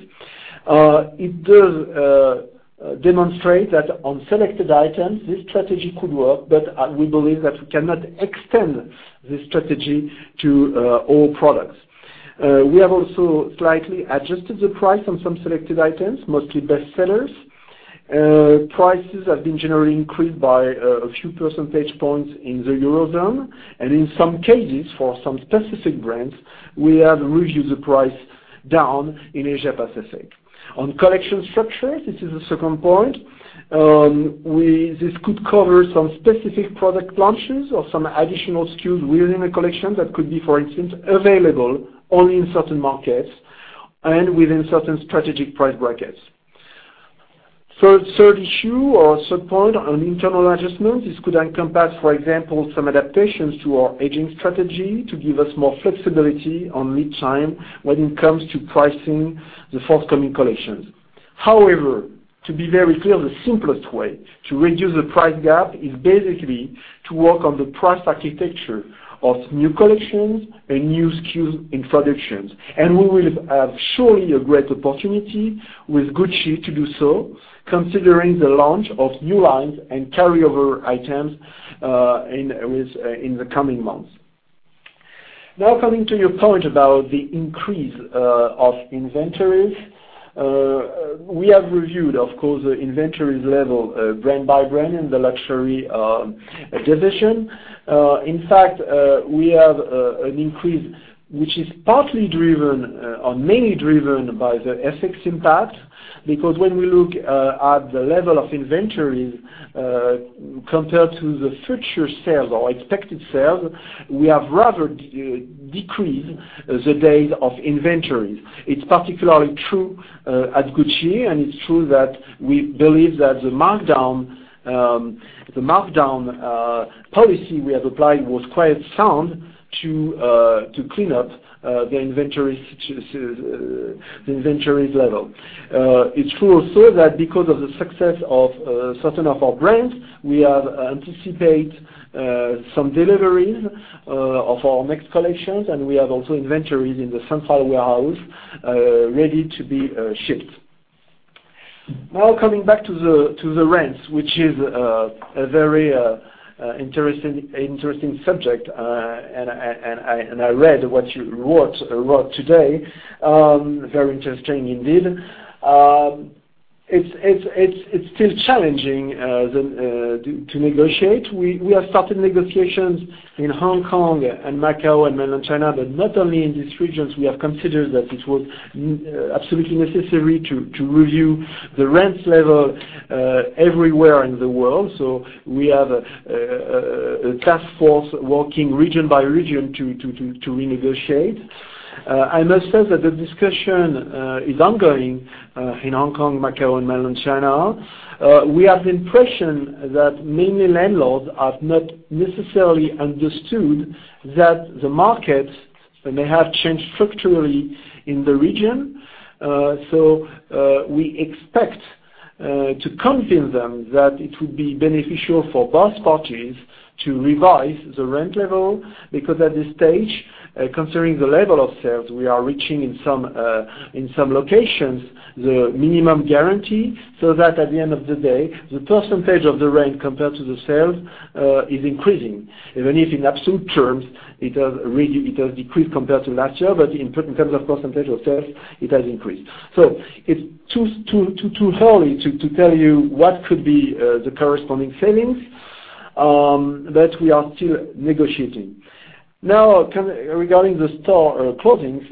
It does demonstrate that on selected items, this strategy could work, but we believe that we cannot extend this strategy to all products. We have also slightly adjusted the price on some selected items, mostly bestsellers. Prices have been generally increased by a few percentage points in the Eurozone. In some cases, for some specific brands, we have reduced the price down in Asia Pacific. On collection structure, this is the second point. This could cover some specific product launches or some additional SKUs within a collection that could be, for instance, available only in certain markets and within certain strategic price brackets. Third issue or third point on internal adjustments, this could encompass, for example, some adaptations to our aging strategy to give us more flexibility on lead time when it comes to pricing the forthcoming collections. However, to be very clear, the simplest way to reduce the price gap is basically to work on the price architecture of new collections and new SKUs introductions. We will have surely a great opportunity with Gucci to do so, considering the launch of new lines and carry-over items in the coming months. Now, coming to your point about the increase of inventories. We have reviewed, of course, the inventories level brand by brand in the luxury division. In fact, we have an increase, which is partly driven or mainly driven by the FX impact. Because when we look at the level of inventories, compared to the future sales or expected sales, we have rather decreased the days of inventories. It's particularly true at Gucci, and it's true that we believe that the markdown policy we have applied was quite sound to clean up the inventories level. It's true also that because of the success of certain of our brands, we have anticipate some deliveries of our next collections, and we have also inventories in the central warehouse ready to be shipped. Now, coming back to the rents, which is a very interesting subject, and I read what you wrote today. Very interesting indeed. It's still challenging to negotiate. We have started negotiations in Hong Kong and Macau and mainland China. Not only in these regions, we have considered that it was absolutely necessary to review the rents level everywhere in the world. We have a task force working region by region to renegotiate. I must say that the discussion is ongoing in Hong Kong, Macau, and mainland China. We have the impression that mainly landlords have not necessarily understood that the markets may have changed structurally in the region. We expect to convince them that it would be beneficial for both parties to revise the rent level, because at this stage, considering the level of sales we are reaching in some locations, the minimum guarantee, so that at the end of the day, the percentage of the rent compared to the sales is increasing. Even if in absolute terms, it has decreased compared to last year, in terms of percentage of sales, it has increased. It's too early to tell you what could be the corresponding savings, but we are still negotiating. Now, regarding the store closings,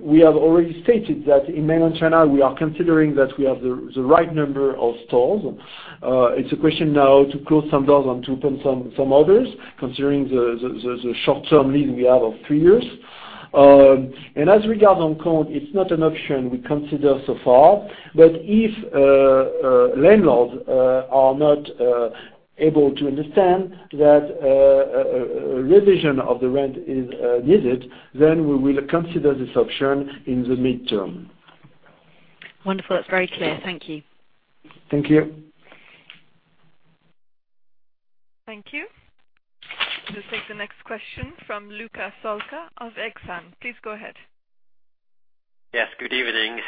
we have already stated that in mainland China, we are considering that we have the right number of stores. It's a question now to close some doors and to open some others, considering the short-term lease we have of three years. As regard on account, it's not an option we consider so far, but if landlords are not able to understand that a revision of the rent is needed, then we will consider this option in the midterm. Wonderful. That's very clear. Thank you. Thank you. Thank you. We'll take the next question from Luca Solca of Exane. Please go ahead. Yes, good evening.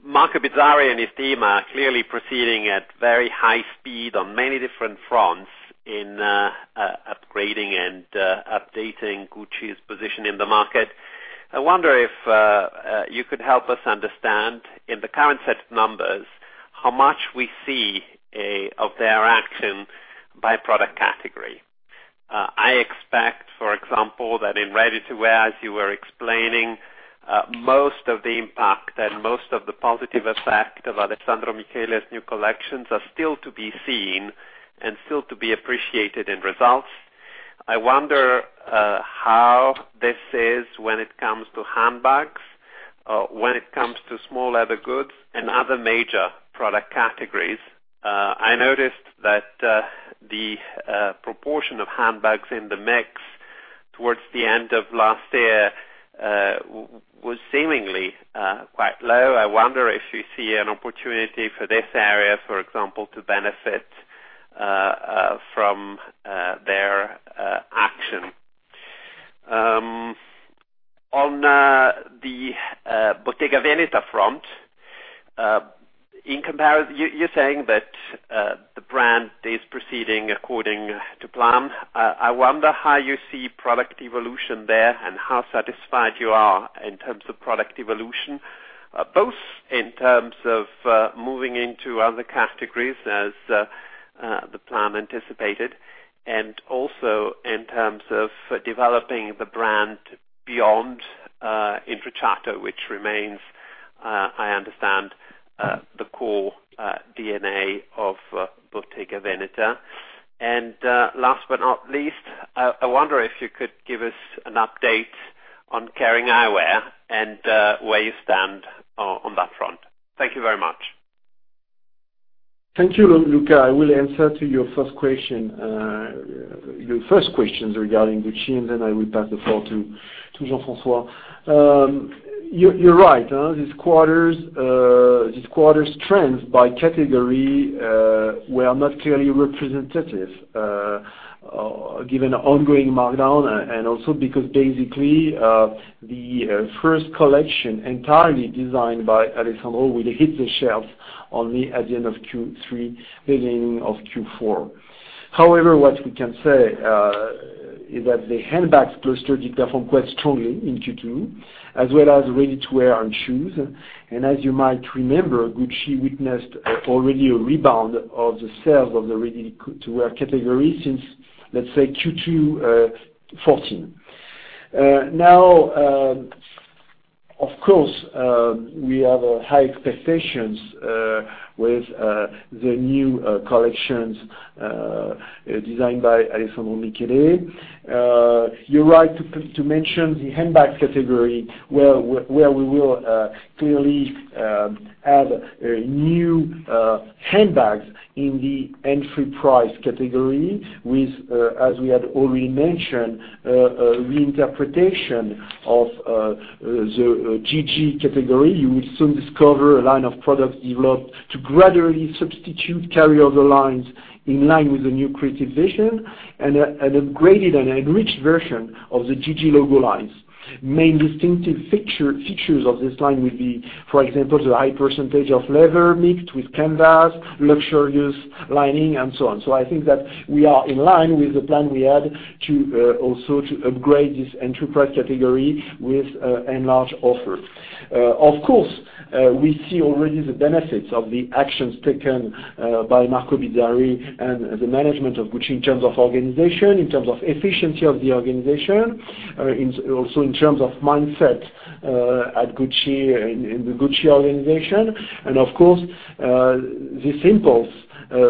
Marco Bizzarri and his team are clearly proceeding at very high speed on many different fronts in upgrading and updating Gucci's position in the market. I wonder if you could help us understand, in the current set of numbers, how much we see of their action by product category. I expect, for example, that in ready-to-wear, as you were explaining, most of the impact and most of the positive effect of Alessandro Michele's new collections are still to be seen and still to be appreciated in results. I wonder how this is when it comes to handbags, when it comes to small leather goods and other major product categories. I noticed that the proportion of handbags in the mix towards the end of last year was seemingly quite low. I wonder if you see an opportunity for this area, for example, to benefit from their action. On the Bottega Veneta front, you're saying that the brand is proceeding according to plan. I wonder how you see product evolution there and how satisfied you are in terms of product evolution. Both in terms of moving into other categories as the plan anticipated, and also in terms of developing the brand beyond Intrecciato, which remains, I understand, the core DNA of Bottega Veneta. Last but not least, I wonder if you could give us an update on Kering Eyewear and where you stand on that front. Thank you very much. Thank you, Luca. I will answer to your first question regarding Gucci, then I will pass the floor to Jean-François. You're right. This quarter's trends by category were not clearly representative, given the ongoing markdown and also because basically, the first collection entirely designed by Alessandro will hit the shelves only at the end of Q3, beginning of Q4. However, what we can say is that the handbags cluster did perform quite strongly in Q2, as well as ready-to-wear and shoes. As you might remember, Gucci witnessed already a rebound of the sales of the ready-to-wear category since, let's say, Q2 2014. Now, of course, we have high expectations with the new collections designed by Alessandro Michele. You're right to mention the handbag category, where we will clearly add new handbags in the entry price category with, as we had already mentioned, a reinterpretation of the GG category. You will soon discover a line of products developed to gradually substitute carrier of the lines in line with the new creative vision, and an upgraded and enriched version of the GG logo lines. Main distinctive features of this line will be, for example, the high percentage of leather mixed with canvas, luxurious lining, and so on. I think that we are in line with the plan we had to also to upgrade this entry-price category with enlarged offer. Of course, we see already the benefits of the actions taken by Marco Bizzarri and the management of Gucci in terms of organization, in terms of efficiency of the organization, also in terms of mindset at Gucci and the Gucci organization. Of course, this impulse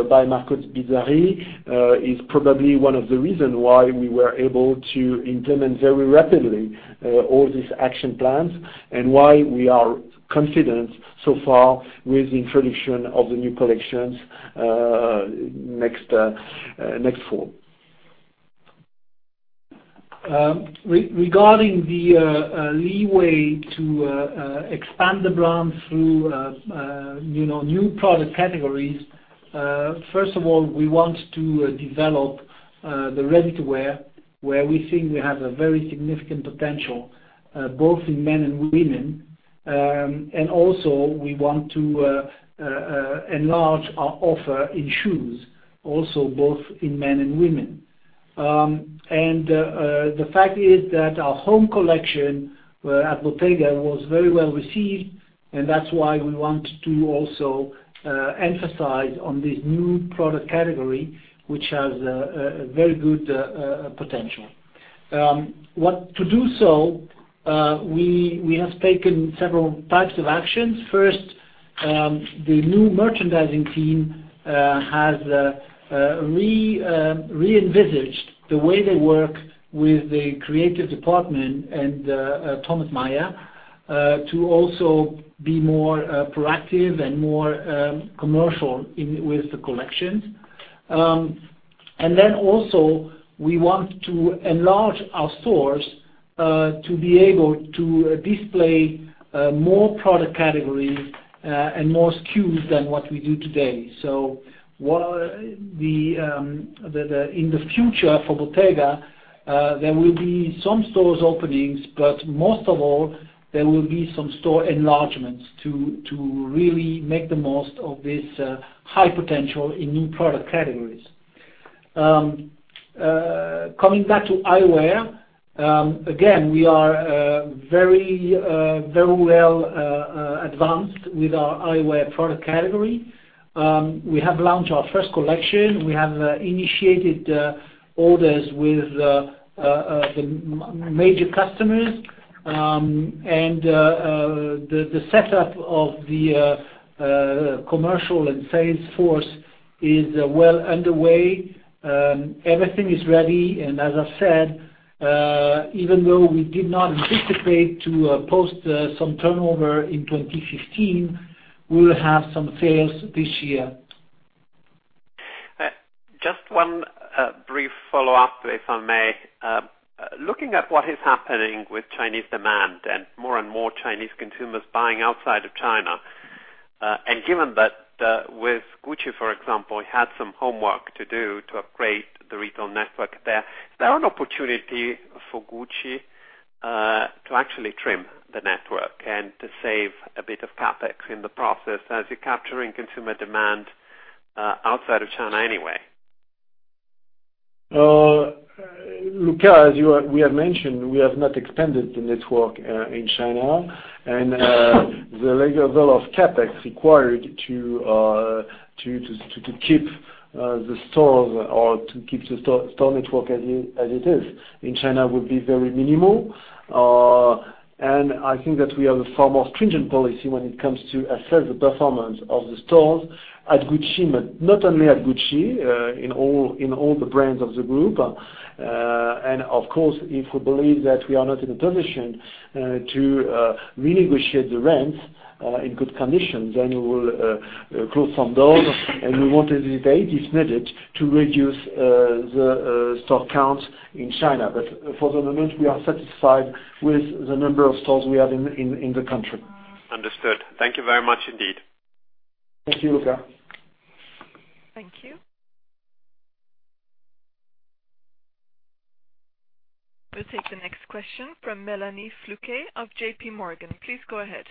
by Marco Bizzarri is probably one of the reasons why we were able to implement very rapidly all these action plans and why we are confident so far with the introduction of the new collections next fall. Regarding the leeway to expand the brand through new product categories, first of all, we want to develop the ready-to-wear, where we think we have a very significant potential, both in men and women. Also, we want to enlarge our offer in shoes, also both in men and women. The fact is that our home collection at Bottega was very well received, and that's why we want to also emphasize on this new product category, which has a very good potential. To do so, we have taken several types of actions. First, the new merchandising team has re-envisaged the way they work with the creative department and Tomas Maier to also be more proactive and more commercial with the collections. Then also, we want to enlarge our stores To be able to display more product categories and more SKUs than what we do today. In the future for Bottega, there will be some stores openings, but most of all, there will be some store enlargements to really make the most of this high potential in new product categories. Coming back to eyewear. Again, we are very well advanced with our eyewear product category. We have launched our first collection. We have initiated orders with the major customers, and the setup of the commercial and sales force is well underway. Everything is ready, and as I said, even though we did not anticipate to post some turnover in 2015, we will have some sales this year. Just one brief follow-up, if I may. Looking at what is happening with Chinese demand and more and more Chinese consumers buying outside of China, and given that with Gucci, for example, you had some homework to do to upgrade the retail network there, is there an opportunity for Gucci to actually trim the network and to save a bit of CapEx in the process as you're capturing consumer demand outside of China anyway? Luca, as we have mentioned, we have not expanded the network in China. The level of CapEx required to keep the store network as it is in China would be very minimal. I think that we have a far more stringent policy when it comes to assess the performance of the stores at Gucci, but not only at Gucci, in all the brands of the group. Of course, if we believe that we are not in a position to renegotiate the rents in good conditions, then we will close some doors, and we will hesitate if needed to reduce the store count in China. For the moment, we are satisfied with the number of stores we have in the country. Understood. Thank you very much indeed. Thank you, Luca. Thank you. We will take the next question from Mélanie Flouquet of JPMorgan. Please go ahead.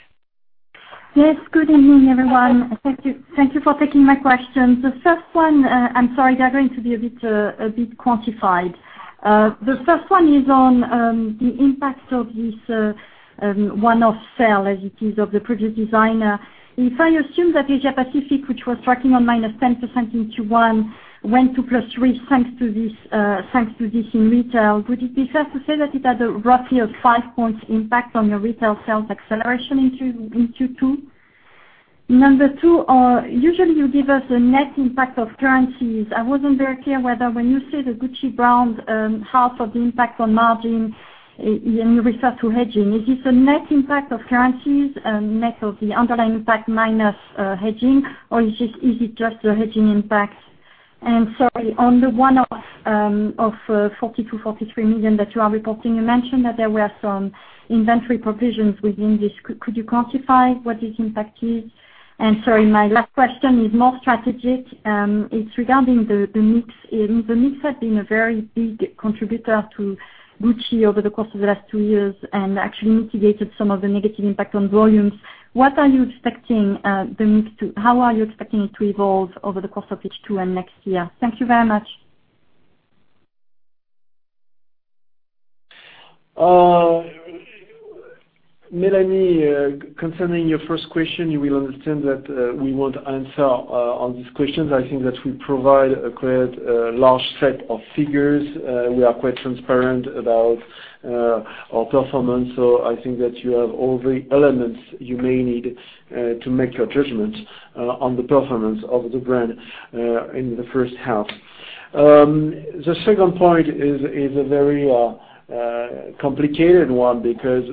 Yes, good evening, everyone. Thank you for taking my question. The first one, I'm sorry, they're going to be a bit quantified. The first one is on the impact of this one-off sale, as it is, of the previous designer. If I assume that Asia-Pacific, which was tracking on minus 10% in Q1, went to plus three thanks to this in retail, would it be fair to say that it had a roughly a five-point impact on your retail sales acceleration into Q2? Number two, usually you give us a net impact of currencies. I wasn't very clear whether when you say the Gucci brand, half of the impact on margin, and you refer to hedging. Is this a net impact of currencies, net of the underlying impact minus hedging, or is it just the hedging impact? Sorry, on the one-off of 42 million, 43 million that you are reporting, you mentioned that there were some inventory provisions within this. Could you quantify what this impact is? Sorry, my last question is more strategic. It's regarding the mix. The mix had been a very big contributor to Gucci over the course of the last two years and actually mitigated some of the negative impact on volumes. How are you expecting it to evolve over the course of H2 and next year? Thank you very much. Mélanie, concerning your first question, you will understand that we won't answer on these questions. I think that we provide a quite large set of figures. We are quite transparent about our performance. I think that you have all the elements you may need to make your judgment on the performance of the brand in the first half. The second point is a very complicated one because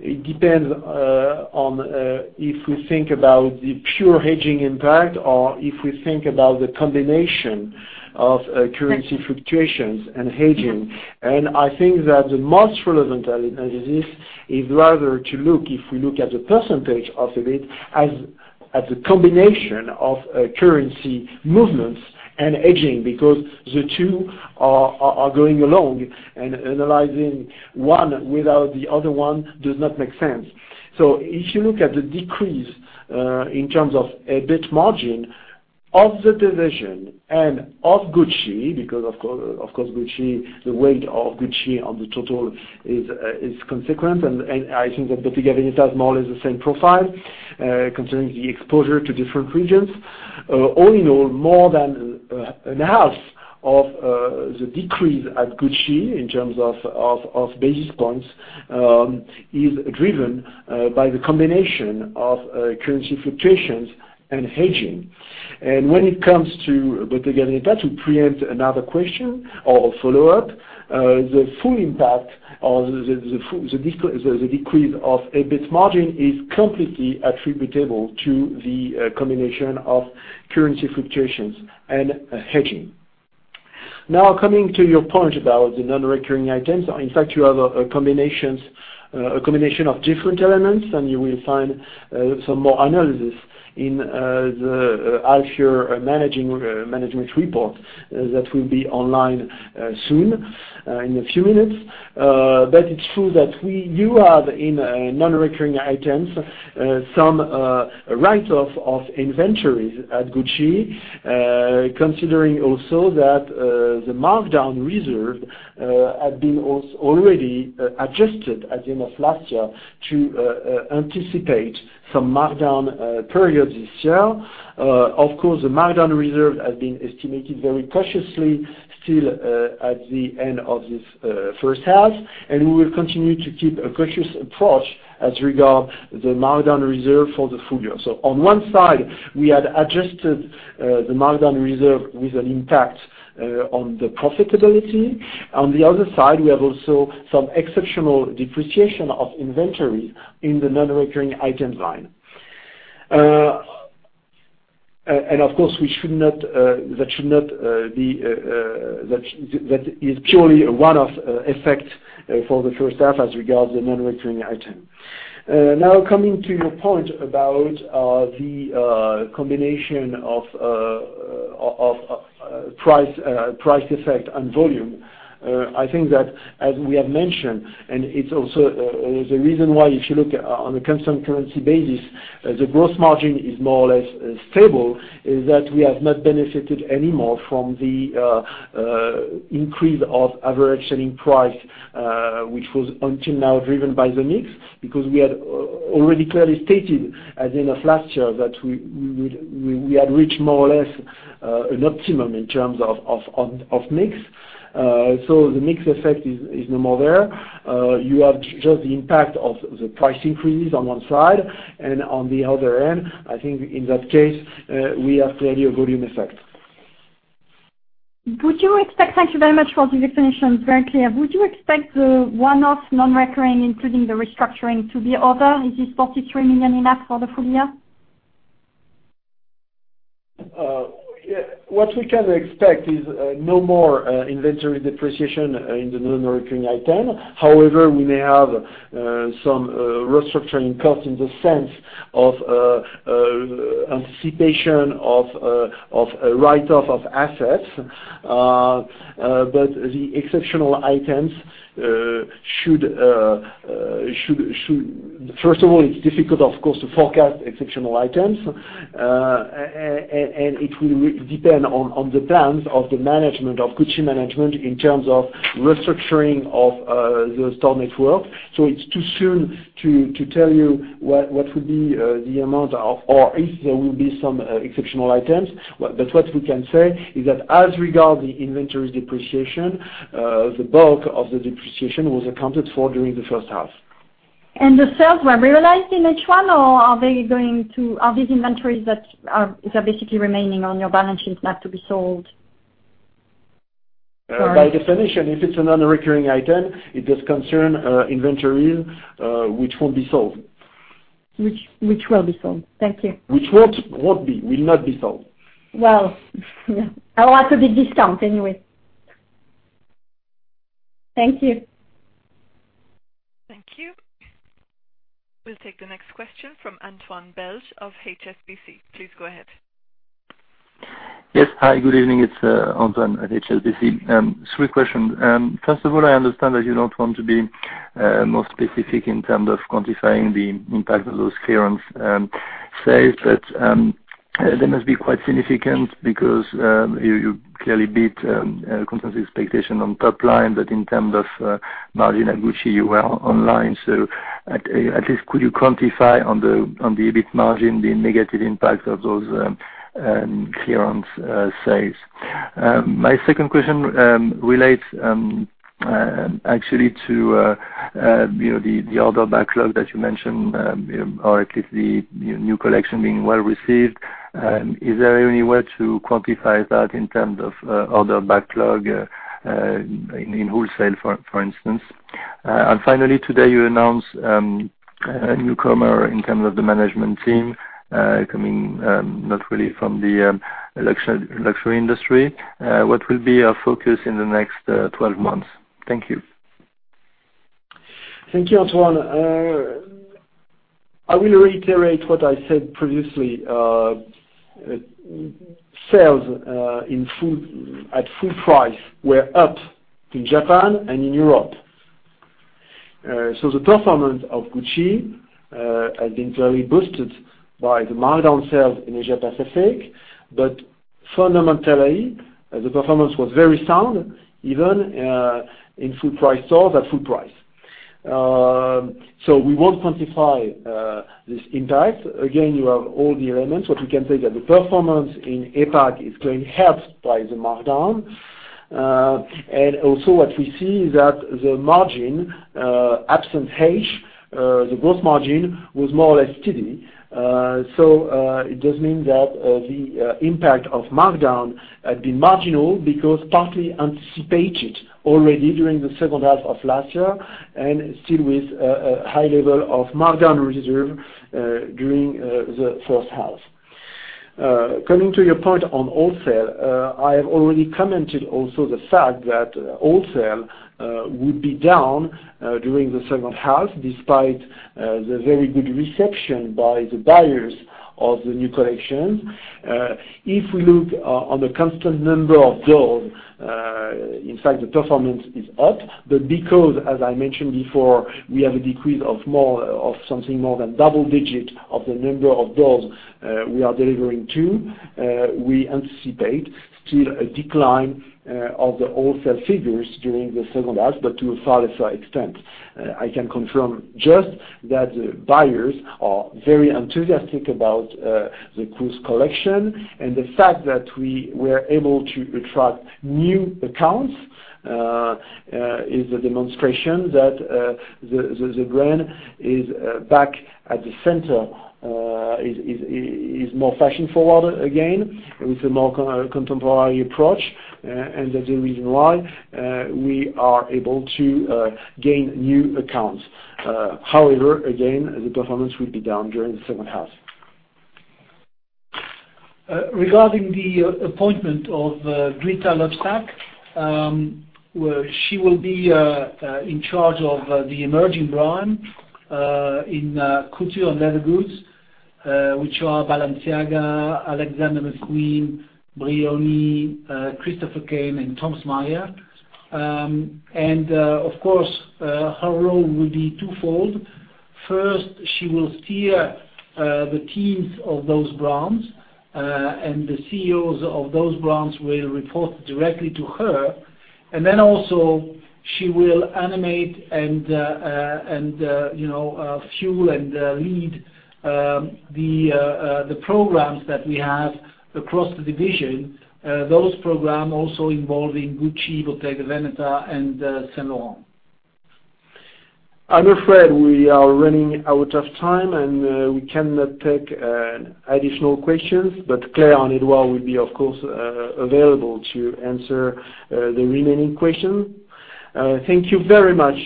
it depends on if we think about the pure hedging impact or if we think about the combination of currency fluctuations and hedging. I think that the most relevant analysis is rather to look, if we look at the percentage of it as the combination of currency movements and hedging, because the two are going along, and analyzing one without the other one does not make sense. If you look at the decrease in terms of EBIT margin of the division and of Gucci, because of course, the weight of Gucci on the total is consequent, I think that Bottega Veneta is more or less the same profile concerning the exposure to different regions. All in all, more than half of the decrease at Gucci in terms of basis points is driven by the combination of currency fluctuations and hedging. When it comes to Bottega Veneta, to preempt another question or a follow-up, the full impact of the decrease of EBIT margin is completely attributable to the combination of currency fluctuations and hedging. Now, coming to your point about the non-recurring items. In fact, you have a combination of different elements, and you will find some more analysis in the half-year management report that will be online soon, in a few minutes. It's true that you have, in non-recurring items, some write-off of inventories at Gucci, considering also that the markdown reserve had been already adjusted at the end of last year to anticipate some markdown period this year. Of course, the markdown reserve has been estimated very cautiously still at the end of this first half, and we will continue to keep a cautious approach as regard the markdown reserve for the full year. On one side, we had adjusted the markdown reserve with an impact on the profitability. On the other side, we have also some exceptional depreciation of inventory in the non-recurring item line. Of course, that is purely a one-off effect for the first half as regards the non-recurring item. Coming to your point about the combination of price effect and volume. I think that, as we have mentioned, and it's also the reason why if you look on a constant currency basis, the gross margin is more or less stable, is that we have not benefited any more from the increase of average selling price, which was until now driven by the mix. Because we had already clearly stated at the end of last year that we had reached more or less an optimum in terms of mix. The mix effect is no more there. You have just the impact of the price increase on one side, and on the other end, I think in that case, we have clearly a volume effect. Thank you very much for this explanation. It's very clear. Would you expect the one-off non-recurring, including the restructuring to be over? Is this 43 million enough for the full year? What we can expect is no more inventory depreciation in the non-recurring item. However, we may have some restructuring cost in the sense of anticipation of write-off of assets. First of all, it's difficult, of course, to forecast exceptional items. It will depend on the plans of the management, of Gucci management in terms of restructuring of the store network. It's too soon to tell you what would be the amount or if there will be some exceptional items. What we can say is that as regard the inventory depreciation, the bulk of the depreciation was accounted for during the first half. The sales were realized in H1, or are these inventories that are basically remaining on your balance sheets not to be sold? Sorry. By definition, if it's a non-recurring item, it does concern inventories which won't be sold. Which will be sold. Thank you. Which won't be. Will not be sold. Well, or at a big discount anyway. Thank you. Thank you. We'll take the next question from Antoine Belge of HSBC. Please go ahead. Yes. Hi, good evening. It's Antoine at HSBC. Three questions. First of all, I understand that you don't want to be more specific in terms of quantifying the impact of those clearance sales. They must be quite significant because you clearly beat consensus expectation on top line. In terms of margin at Gucci, you were online. At least could you quantify on the EBIT margin the negative impact of those clearance sales? My second question relates actually to the order backlog that you mentioned or at least the new collection being well-received. Is there any way to quantify that in terms of order backlog in wholesale, for instance? Finally, today you announced a newcomer in terms of the management team, coming not really from the luxury industry. What will be your focus in the next 12 months? Thank you. Thank you, Antoine. I will reiterate what I said previously. Sales at full price were up in Japan and in Europe. The performance of Gucci has been very boosted by the markdown sales in Asia Pacific. Fundamentally, the performance was very sound, even in full price stores at full price. We won't quantify this impact. Again, you have all the elements. What we can say that the performance in APAC is going helped by the markdown. Also what we see is that the margin, absent H, the gross margin was more or less steady. It does mean that the impact of markdown had been marginal because partly anticipated already during the second half of last year and still with a high level of markdown reserve during the first half. Coming to your point on wholesale, I have already commented also the fact that wholesale would be down during the second half, despite the very good reception by the buyers of the new collection. If we look on the constant number of doors in fact the performance is up. Because, as I mentioned before, we have a decrease of something more than double-digit of the number of doors we are delivering to, we anticipate still a decline of the wholesale figures during the second half, but to a far lesser extent. I can confirm just that buyers are very enthusiastic about the cruise collection, and the fact that we were able to attract new accounts, is a demonstration that the brand is back at the center, is more fashion-forward again, with a more contemporary approach. That's the reason why we are able to gain new accounts. Again, the performance will be down during the second half. Regarding the appointment of Francesca Bellettini. She will be in charge of the emerging brands in couture and leather goods which are Balenciaga, Alexander McQueen, Brioni, Christopher Kane and Tomas Maier. Of course, her role will be twofold. First, she will steer the teams of those brands, and the CEOs of those brands will report directly to her. Then also she will animate and fuel and lead the programs that we have across the division. Those program also involving Gucci, Bottega Veneta, and Saint Laurent. I'm afraid we are running out of time, we cannot take additional questions. Claire and Edouard will be, of course, available to answer the remaining questions. Thank you very much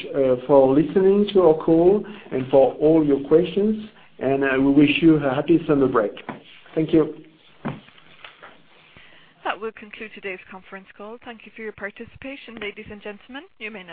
for listening to our call and for all your questions, we wish you a happy summer break. Thank you. That will conclude today's conference call. Thank you for your participation, ladies and gentlemen. You may now disconnect.